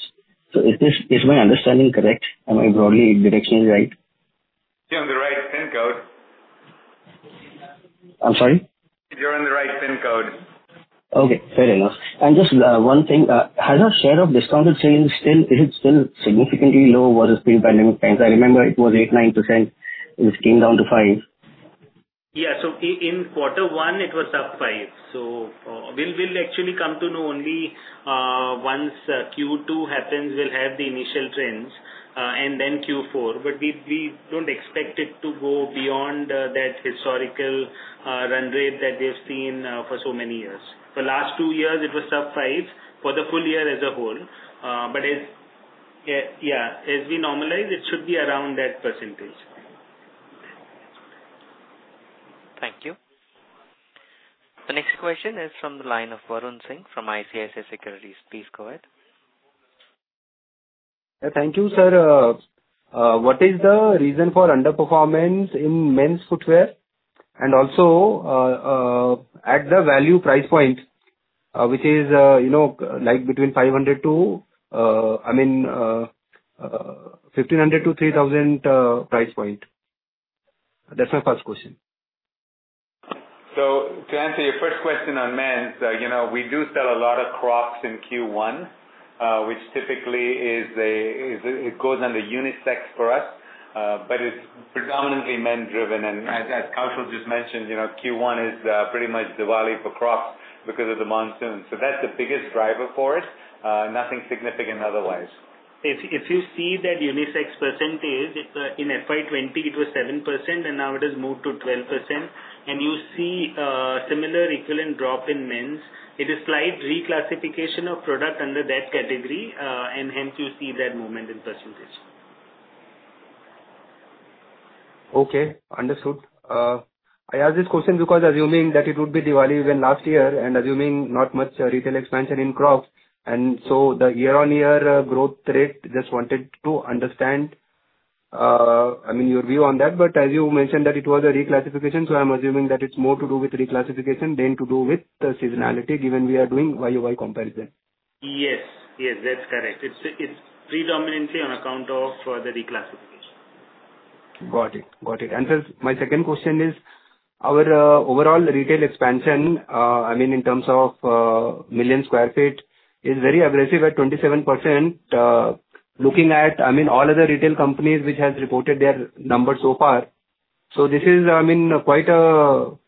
[SPEAKER 9] Is my understanding correct? Am I broadly directionally right?
[SPEAKER 3] You're on the right pin code.
[SPEAKER 9] I'm sorry?
[SPEAKER 3] You're on the right pin code.
[SPEAKER 9] Okay, fair enough. Just one thing, has your share of discounted sales, is it still significantly low versus pre-pandemic times? I remember it was eight, nine%, which came down to five.
[SPEAKER 5] Yeah. In quarter one it was sub five. We'll actually come to know only once Q2 happens, we'll have the initial trends, Q4, we don't expect it to go beyond that historical run rate that we've seen for so many years. For the last two years, it was sub five for the full year as a whole. As we normalize, it should be around that percentage.
[SPEAKER 9] Thank you.
[SPEAKER 1] The next question is from the line of Varun Singh from ICICI Securities. Please go ahead.
[SPEAKER 10] Thank you, sir. What is the reason for underperformance in men's footwear and also at the value price point, which is between 1,500-3,000 price point? That's my first question.
[SPEAKER 3] To answer your first question on men's, we do sell a lot of Crocs in Q1, which typically goes under unisex for us. It's predominantly men-driven, and as Kaushal just mentioned, Q1 is pretty much Diwali for Crocs because of the monsoons. That's the biggest driver for it. Nothing significant otherwise.
[SPEAKER 5] If you see that unisex percentage in FY 2020 it was 7% and now it has moved to 12%, and you see a similar equivalent drop in men's. It is slight reclassification of product under that category, and hence you see that movement in percentage.
[SPEAKER 10] Okay, understood. I ask this question because assuming that it would be Diwali when last year and assuming not much retail expansion in Crocs, and so the year-on-year growth rate, just wanted to understand your view on that. As you mentioned that it was a reclassification, so I'm assuming that it's more to do with reclassification than to do with seasonality, given we are doing YoY comparison.
[SPEAKER 5] Yes. That's correct. It's predominantly on account of further reclassification.
[SPEAKER 10] Got it. Sir, my second question is, our overall retail expansion, in terms of million sq ft, is very aggressive at 27%. Looking at all other retail companies which have reported their numbers so far, this is quite a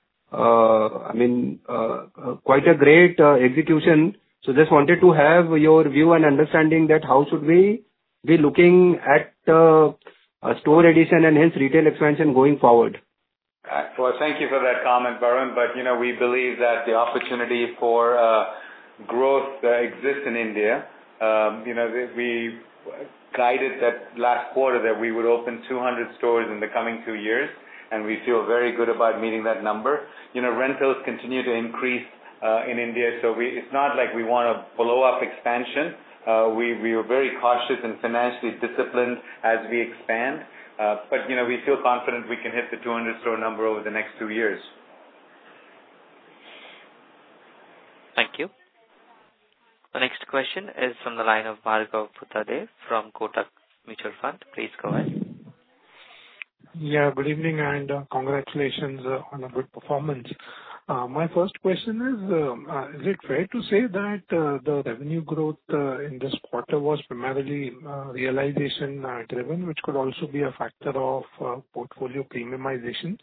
[SPEAKER 10] great execution. Just wanted to have your view and understanding that how should we be looking at store addition and hence retail expansion going forward?
[SPEAKER 3] Well, thank you for that comment, Varun, but we believe that the opportunity for growth exists in India. We guided that last quarter that we would open 200 stores in the coming two years, and we feel very good about meeting that number. Rentals continue to increase in India, it's not like we want to blow up expansion. We are very cautious and financially disciplined as we expand. We feel confident we can hit the 200-store number over the next two years.
[SPEAKER 1] Thank you. The next question is from the line of Bhargav Bhutade from Kotak Mutual Fund. Please go ahead.
[SPEAKER 11] Yeah, good evening and congratulations on a good performance. My first question is it fair to say that the revenue growth in this quarter was primarily realization-driven, which could also be a factor of portfolio premiumization?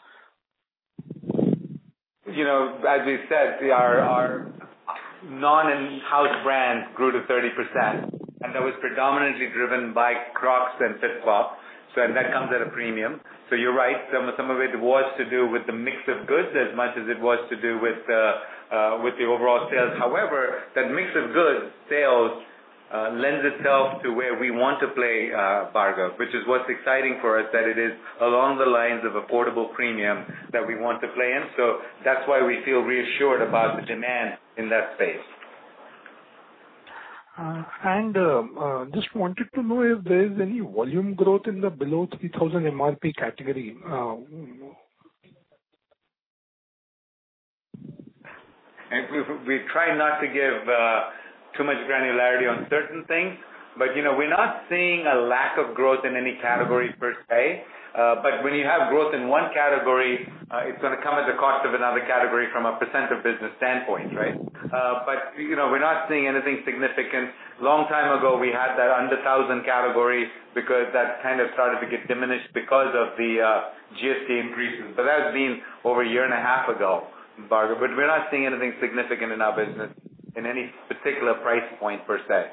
[SPEAKER 3] As we said, our non-in-house brands grew to 30%. That was predominantly driven by Crocs and FitFlop. That comes at a premium. You're right, some of it was to do with the mix of goods as much as it was to do with the overall sales. However, that mix of goods sales lends itself to where we want to play, Bhargav, which is what's exciting for us, that it is along the lines of affordable premium that we want to play in. That's why we feel reassured about the demand in that space.
[SPEAKER 11] Just wanted to know if there is any volume growth in the below 3,000 MRP category.
[SPEAKER 3] We try not to give too much granularity on certain things. We're not seeing a lack of growth in any category per se. When you have growth in one category, it's going to come at the cost of another category from a % of business standpoint, right? We're not seeing anything significant. Long time ago, we had that under 1,000 category, because that kind of started to get diminished because of the GST increases. That's been over a year and a half ago, Bhargav. We're not seeing anything significant in our business in any particular price point per se.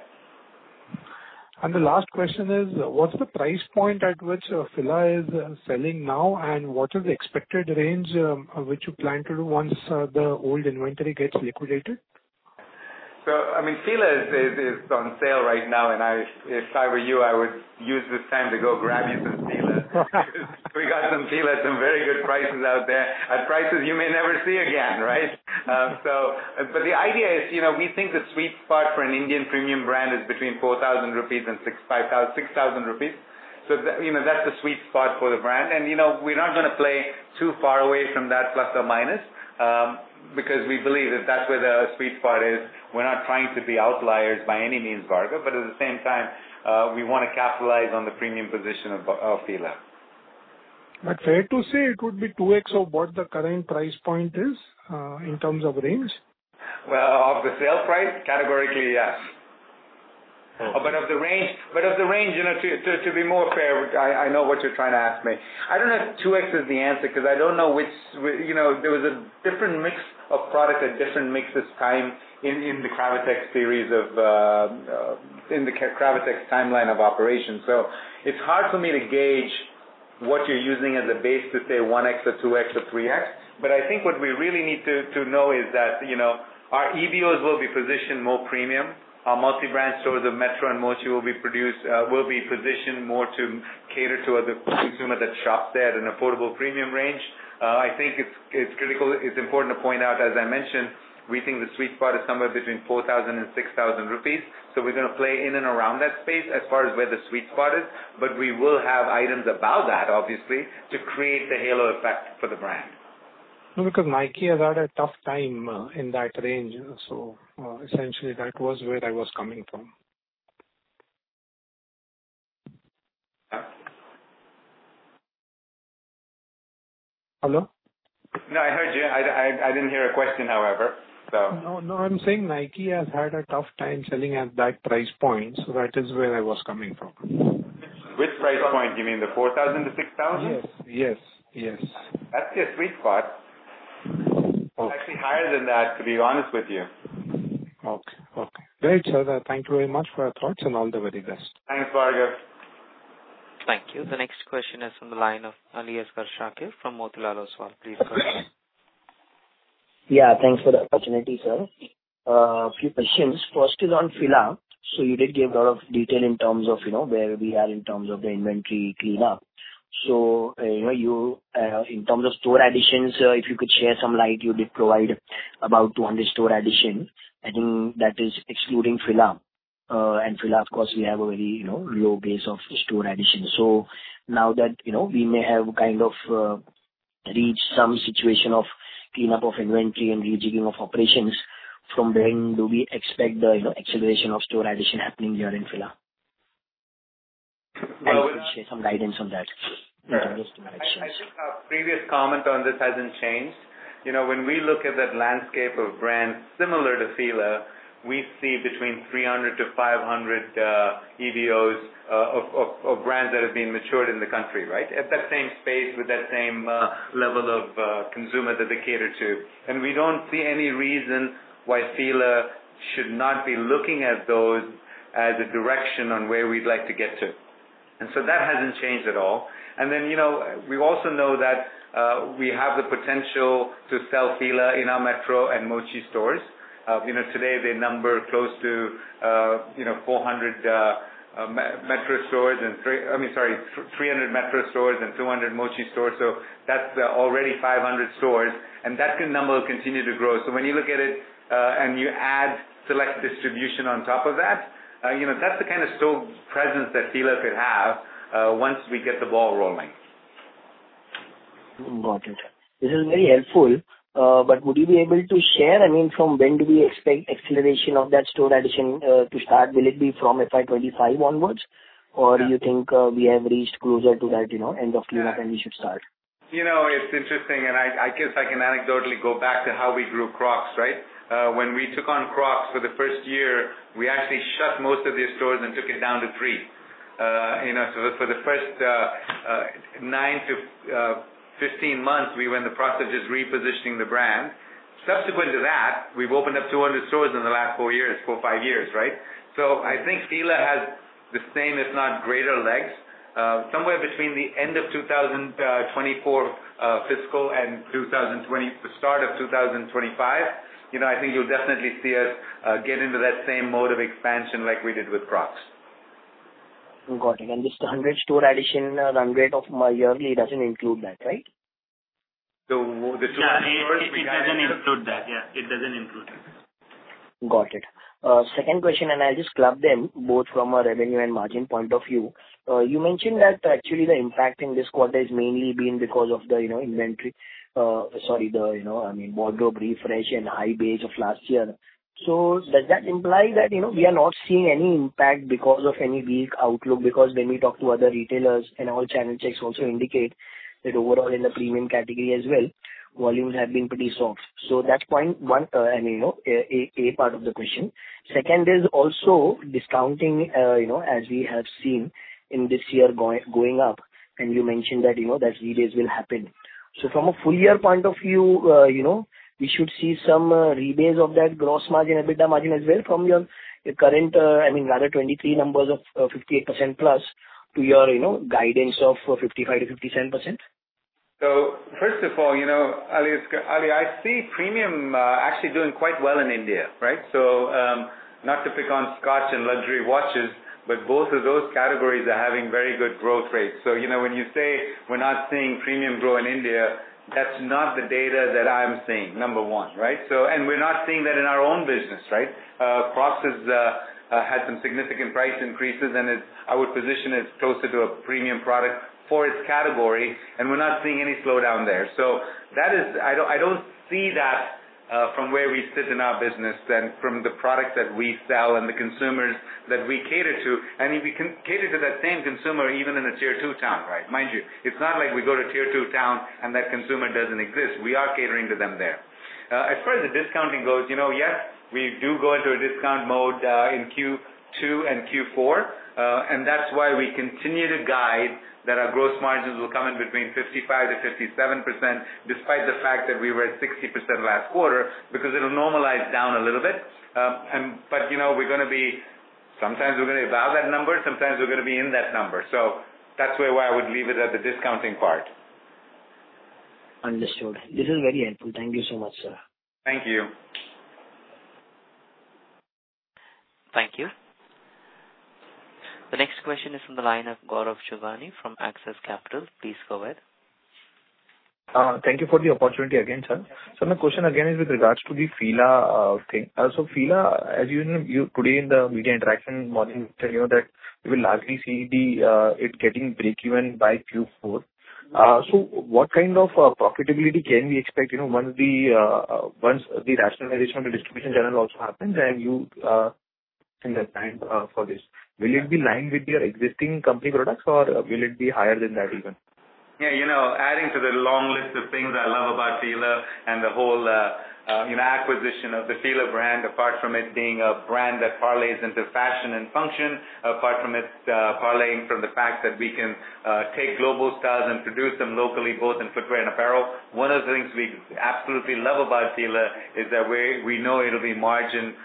[SPEAKER 11] The last question is: What's the price point at which Fila is selling now, and what is the expected range, which you plan to do once the old inventory gets liquidated?
[SPEAKER 3] Fila is on sale right now, if I were you, I would use this time to go grab you some Fila. We got some Fila at some very good prices out there, at prices you may never see again, right? The idea is, we think the sweet spot for an Indian premium brand is between 4,000 rupees and 6,000 rupees. That's the sweet spot for the brand. We're not going to play too far away from that plus or minus, because we believe that that's where the sweet spot is. We're not trying to be outliers by any means, Bhargav, but at the same time, we want to capitalize on the premium position of Fila.
[SPEAKER 11] Fair to say it would be 2X of what the current price point is, in terms of range?
[SPEAKER 3] Well, of the sale price, categorically, yes.
[SPEAKER 11] Okay.
[SPEAKER 3] Of the range, to be more fair, I know what you're trying to ask me. I don't know if 2X is the answer, because there was a different mix of product at different mixes time in the Cravatex timeline of operations. It's hard for me to gauge what you're using as a base to say 1X or 2X or 3X. I think what we really need to know is that our EBOs will be positioned more premium. Our multi-brand stores of Metro and Mochi will be positioned more to cater to other consumers that shop there at an affordable premium range. I think it's important to point out, as I mentioned, we think the sweet spot is somewhere between 4,000 and 6,000 rupees. We are going to play in and around that space as far as where the sweet spot is, but we will have items above that, obviously, to create the halo effect for the brand.
[SPEAKER 11] Because Nike has had a tough time in that range. Essentially, that was where I was coming from. Hello?
[SPEAKER 3] I heard you. I didn't hear a question, however.
[SPEAKER 11] I'm saying Nike has had a tough time selling at that price point, so that is where I was coming from.
[SPEAKER 3] Which price point? You mean the 4,000-6,000?
[SPEAKER 11] Yes.
[SPEAKER 3] That's the sweet spot.
[SPEAKER 11] Okay.
[SPEAKER 3] It's actually higher than that, to be honest with you.
[SPEAKER 11] Okay. Great, sir. Thank you very much for your thoughts and all the very best.
[SPEAKER 3] Thanks, Bhargav.
[SPEAKER 1] Thank you. The next question is from the line of Ali Azhar Shakir from Motilal Oswal. Please go ahead.
[SPEAKER 12] Yeah, thanks for the opportunity, sir. A few questions. First is on Fila. You did give a lot of detail in terms of where we are in terms of the inventory cleanup. In terms of store additions, if you could share some light, you did provide about 200 store addition. I think that is excluding Fila. Fila, of course, we have a very low base of store additions. Now that we may have kind of reached some situation of cleanup of inventory and rejigging of operations, from when do we expect the acceleration of store addition happening here in Fila? If you could share some guidance on that. In terms of store additions.
[SPEAKER 3] I think our previous comment on this hasn't changed. When we look at that landscape of brands similar to Fila, we see between 300 EBOs-500 EBOs of brands that have been matured in the country, right? At that same space with that same level of consumer that they cater to. We don't see any reason why Fila should not be looking at those as a direction on where we'd like to get to. That hasn't changed at all. Then, we also know that we have the potential to sell Fila in our Metro and Mochi stores. Today they number close to 300 Metro stores and 200 Mochi stores. That's already 500 stores, and that number will continue to grow. When you look at it, and you add select distribution on top of that's the kind of store presence that Fila could have, once we get the ball rolling.
[SPEAKER 12] Got it, sir. This is very helpful. Would you be able to share, from when do we expect acceleration of that store addition to start? Will it be from FY 2025 onwards? Do you think we have reached closer to that end of cleanup and we should start?
[SPEAKER 3] It's interesting, and I guess I can anecdotally go back to how we grew Crocs, right? When we took on Crocs for the first year, we actually shut most of the stores and took it down to three. For the first nine to 15 months, we were in the process of just repositioning the brand. Subsequent to that, we've opened up 200 stores in the last four, five years, right? I think Fila has the same, if not greater legs. Somewhere between the end of 2024 fiscal and the start of 2025, I think you'll definitely see us get into that same mode of expansion like we did with Crocs.
[SPEAKER 12] Got it. This 100 store addition run rate of yearly doesn't include that, right?
[SPEAKER 3] The
[SPEAKER 5] Yeah, it doesn't include that. Yeah, it doesn't include that.
[SPEAKER 12] Got it. Second question, I'll just club them both from a revenue and margin point of view. You mentioned that actually the impact in this quarter has mainly been because of the wardrobe refresh and high base of last year. Does that imply that we are not seeing any impact because of any weak outlook? Because when we talk to other retailers and our channel checks also indicate that overall in the premium category as well, volumes have been pretty soft. That's point one, A part of the question. Second is also discounting, as we have seen in this year going up, and you mentioned that rebase will happen. From a full year point of view, we should see some rebase of that gross margin, EBITDA margin as well from your current, rather 2023 numbers of 58%+ to your guidance of 55%-57%?
[SPEAKER 3] First of all, Ali, I see premium actually doing quite well in India, right? Not to pick on scotch and luxury watches, but both of those categories are having very good growth rates. When you say we're not seeing premium grow in India, that's not the data that I'm seeing, number one, right? We're not seeing that in our own business, right? Crocs has had some significant price increases, and I would position it closer to a premium product for its category, and we're not seeing any slowdown there. I don't see that from where we sit in our business than from the products that we sell and the consumers that we cater to. We cater to that same consumer even in a tier 2 town, right? Mind you, it's not like we go to tier 2 town and that consumer doesn't exist. We are catering to them there. As far as the discounting goes, yes, we do go into a discount mode, in Q2 and Q4. That's why we continue to guide that our gross margins will come in between 55%-57%, despite the fact that we were at 60% last quarter, because it will normalize down a little bit. Sometimes we are going to above that number, sometimes we are going to be in that number. That's where I would leave it at the discounting part.
[SPEAKER 12] Understood. This is very helpful. Thank you so much, sir.
[SPEAKER 3] Thank you.
[SPEAKER 1] Thank you. The next question is from the line of Gaurav Shivani from Axis Capital. Please go ahead.
[SPEAKER 13] Thank you for the opportunity again, sir. My question again is with regards to the Fila thing. Fila, as you know, today in the media interaction morning, you said that you will largely see it getting breakeven by Q4. What kind of profitability can we expect once the rationalization of the distribution channel also happens and you in the time for this. Will it be line with your existing company products or will it be higher than that even?
[SPEAKER 3] Yeah. Adding to the long list of things I love about Fila and the whole acquisition of the Fila brand, apart from it being a brand that parlays into fashion and function, apart from it parlaying from the fact that we can take global styles and produce them locally, both in footwear and apparel. One of the things we absolutely love about Fila is that we know it'll be margin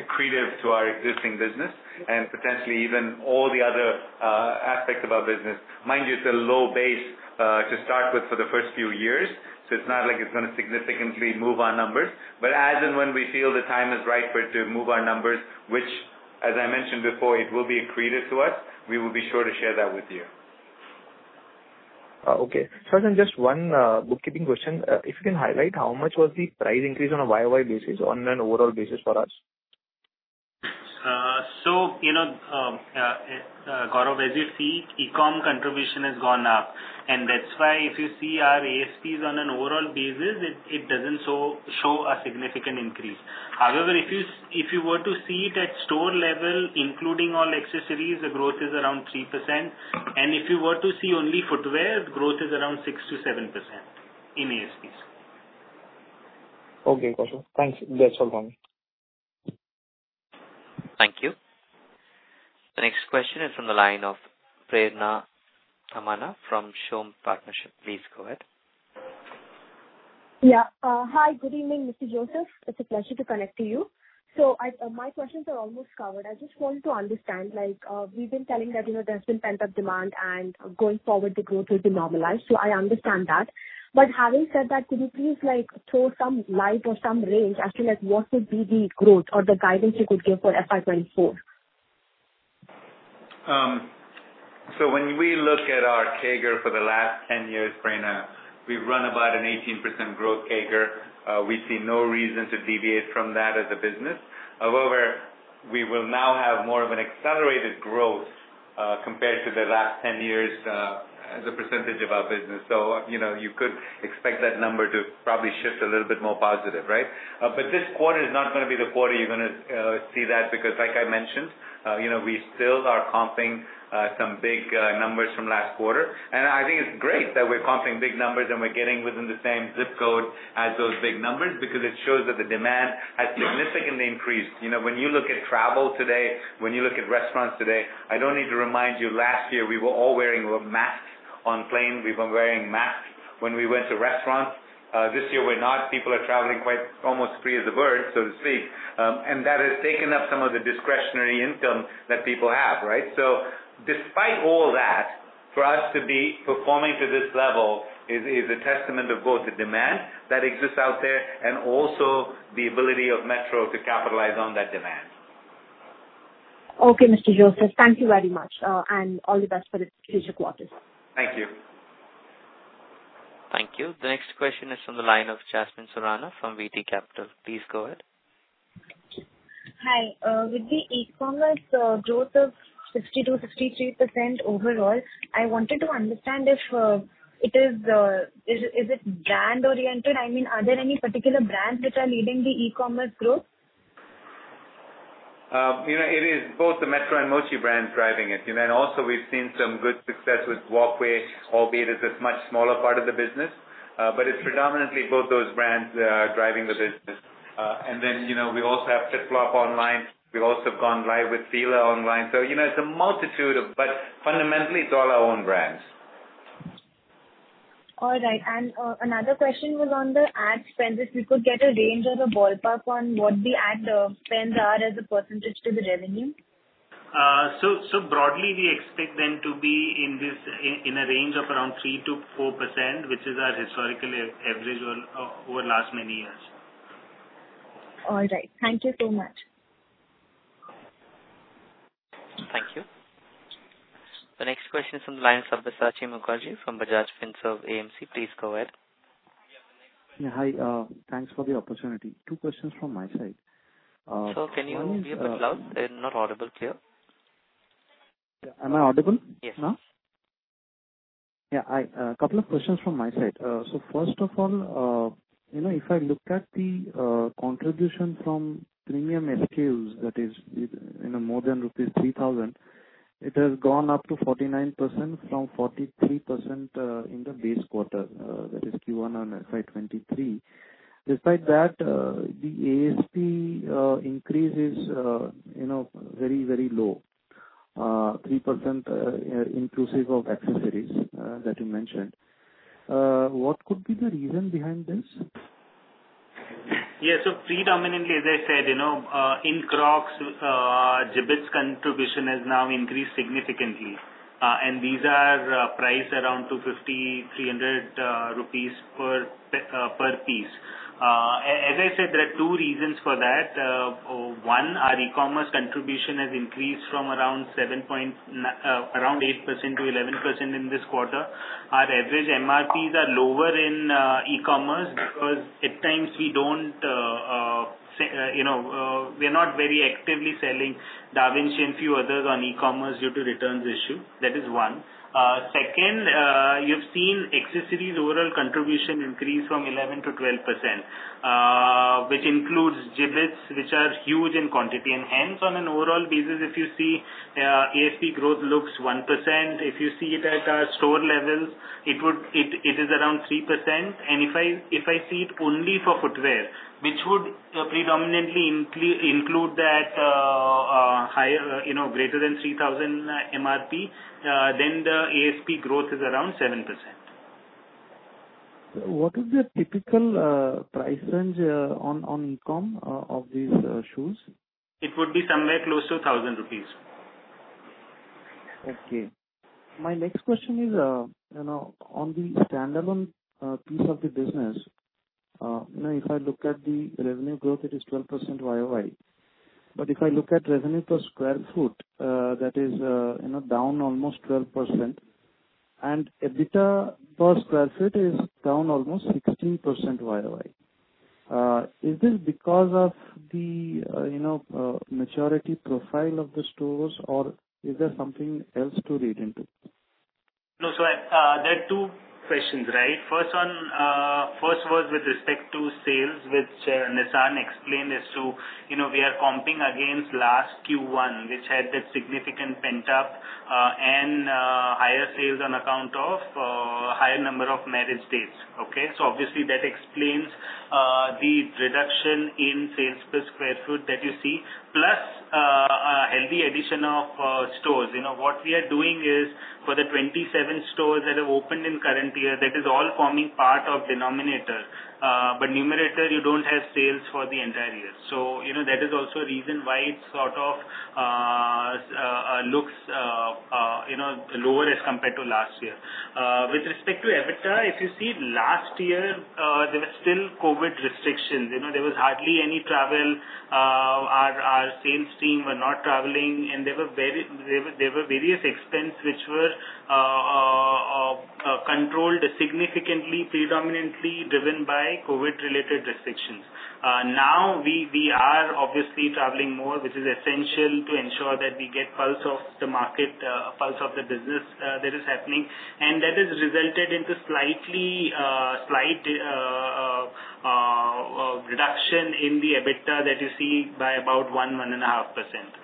[SPEAKER 3] accretive to our existing business and potentially even all the other aspects of our business. Mind you, it's a low base to start with for the first few years, so it's not like it's gonna significantly move our numbers. As and when we feel the time is right for it to move our numbers, which as I mentioned before, it will be accretive to us, we will be sure to share that with you.
[SPEAKER 4] Okay. Sir, just one bookkeeping question. If you can highlight how much was the price increase on a YOY basis on an overall basis for us?
[SPEAKER 5] Gaurav, as you see, e-com contribution has gone up, and that's why if you see our ASPs on an overall basis, it doesn't show a significant increase. However, if you were to see it at store level, including all accessories, the growth is around 3%. If you were to see only footwear, growth is around 6%-7% in ASPs.
[SPEAKER 4] Okay, Gotcha. Thanks. That's all from me.
[SPEAKER 1] Thank you. The next question is from the line of Prerna Tamhankar from Schoom Partnership. Please go ahead.
[SPEAKER 14] Yeah. Hi, good evening, Mr. Joseph. It's a pleasure to connect to you. My questions are almost covered. I just want to understand, we've been telling that there's been pent-up demand and going forward, the growth will be normalized. I understand that. Having said that, could you please throw some light or some range as to what would be the growth or the guidance you could give for FY 2024?
[SPEAKER 3] When we look at our CAGR for the last 10 years, Prerna, we've run about an 18% growth CAGR. We see no reason to deviate from that as a business. However, we will now have more of an accelerated growth, compared to the last 10 years, as a percentage of our business. You could expect that number to probably shift a little bit more positive, right? This quarter is not gonna be the quarter you're gonna see that because like I mentioned, we still are comping some big numbers from last quarter. I think it's great that we're comping big numbers and we're getting within the same zip code as those big numbers because it shows that the demand has significantly increased. When you look at travel today, when you look at restaurants today, I don't need to remind you last year, we were all wearing masks on planes. We were wearing masks when we went to restaurants. This year we're not. People are traveling quite almost free as a bird, so to speak. That has taken up some of the discretionary income that people have, right? Despite all that For us to be performing to this level is a testament of both the demand that exists out there and also the ability of Metro to capitalize on that demand.
[SPEAKER 14] Okay, Mr. Joseph, thank you very much, and all the best for the future quarters.
[SPEAKER 3] Thank you.
[SPEAKER 1] Thank you. The next question is from the line of Jasmine Surana from VT Capital. Please go ahead.
[SPEAKER 15] Hi. With the e-commerce growth of 62%, 63% overall, I wanted to understand if it is brand-oriented. I mean, are there any particular brands that are leading the e-commerce growth?
[SPEAKER 5] It is both the Metro and Mochi brands driving it. Also we've seen some good success with Walkway, albeit it's a much smaller part of the business. It's predominantly both those brands that are driving the business. We also have FitFlop online. We've also gone live with Fila online. It's a multitude, but fundamentally, it's all our own brands.
[SPEAKER 15] All right. Another question was on the ad spend. If we could get a range or a ballpark on what the ad spends are as a percentage to the revenue.
[SPEAKER 5] Broadly, we expect them to be in a range of around 3%-4%, which is our historical average over the last many years.
[SPEAKER 15] All right. Thank you so much.
[SPEAKER 1] Thank you. The next question is from the line of Subhashish Mukherjee from Bajaj Finserv AMC. Please go ahead.
[SPEAKER 16] Yeah. Hi. Thanks for the opportunity. Two questions from my side.
[SPEAKER 1] Sir, can you even speak up loud? Not audible here.
[SPEAKER 16] Am I audible now?
[SPEAKER 1] Yes.
[SPEAKER 16] Yeah. A couple of questions from my side. First of all, if I look at the contribution from premium SKUs, that is more than rupees 3,000, it has gone up to 49% from 43% in the base quarter, that is Q1 on FY 2023. Despite that, the ASP increase is very low, 3% inclusive of accessories that you mentioned. What could be the reason behind this?
[SPEAKER 5] Yeah. Predominantly, as I said, in Crocs, Jibbitz contribution has now increased significantly. These are priced around 50-300 rupees per piece. As I said, there are two reasons for that. One, our e-commerce contribution has increased from around 8% to 11% in this quarter. Our average MRPs are lower in e-commerce because at times we're not very actively selling Da Vinchi and a few others on e-commerce due to returns issue. That is one. Second, you've seen accessories' overall contribution increase from 11% to 12%, which includes Jibbitz, which are huge in quantity. Hence, on an overall basis, if you see ASP growth looks 1%. If you see it at our store levels, it is around 3%. If I see it only for footwear, which would predominantly include that greater than 3,000 MRP, then the ASP growth is around 7%.
[SPEAKER 16] What is the typical price range on e-com of these shoes?
[SPEAKER 5] It would be somewhere close to 1,000 rupees.
[SPEAKER 16] Okay. My next question is on the standalone piece of the business. If I look at the revenue growth, it is 12% year-over-year. If I look at revenue per sq ft, that is down almost 12%, and EBITDA per sq ft is down almost 16% year-over-year. Is this because of the maturity profile of the stores, or is there something else to read into?
[SPEAKER 5] No. There are two questions, right? First was with respect to sales, which Nissan explained as to we are comping against last Q1, which had that significant pent-up and higher sales on account of a higher number of marriage dates. Okay? Obviously that explains the reduction in sales per sq ft that you see, plus a healthy addition of stores. What we are doing is for the 27 stores that have opened in the current year, that is all forming part of denominator. Numerator, you don't have sales for the entire year. That is also a reason why it sort of looks lower as compared to last year. With respect to EBITDA, if you see last year, there were still COVID restrictions. There was hardly any travel. Our sales team were not traveling, there were various expenses which were controlled significantly, predominantly driven by COVID-related restrictions. Now we are obviously traveling more, which is essential to ensure that we get the pulse of the market, a pulse of the business that is happening. That has resulted in a slight reduction in the EBITDA that you see by about 1%, 1.5%.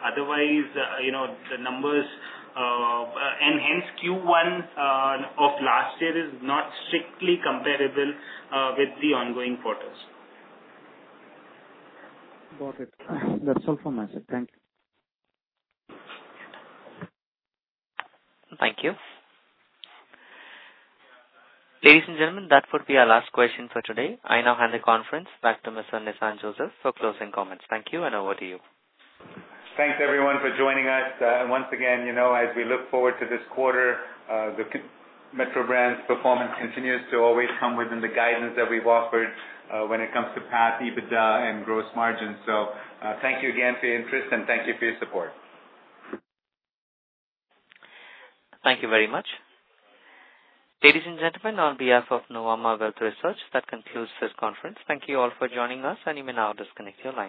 [SPEAKER 5] Otherwise, the numbers. Hence, Q1 of last year is not strictly comparable with the ongoing quarters.
[SPEAKER 16] Got it. That's all from my side. Thank you.
[SPEAKER 1] Thank you. Ladies and gentlemen, that would be our last question for today. I now hand the conference back to Mr. Nissan Joseph for closing comments. Thank you, and over to you.
[SPEAKER 3] Thanks everyone for joining us. Once again, as we look forward to this quarter, the Metro Brands performance continues to always come within the guidance that we've offered when it comes to PAT, EBITDA, and gross margin. Thank you again for your interest and thank you for your support.
[SPEAKER 1] Thank you very much. Ladies and gentlemen, on behalf of Nuvama Wealth Research, that concludes this conference. Thank you all for joining us, and you may now disconnect your lines.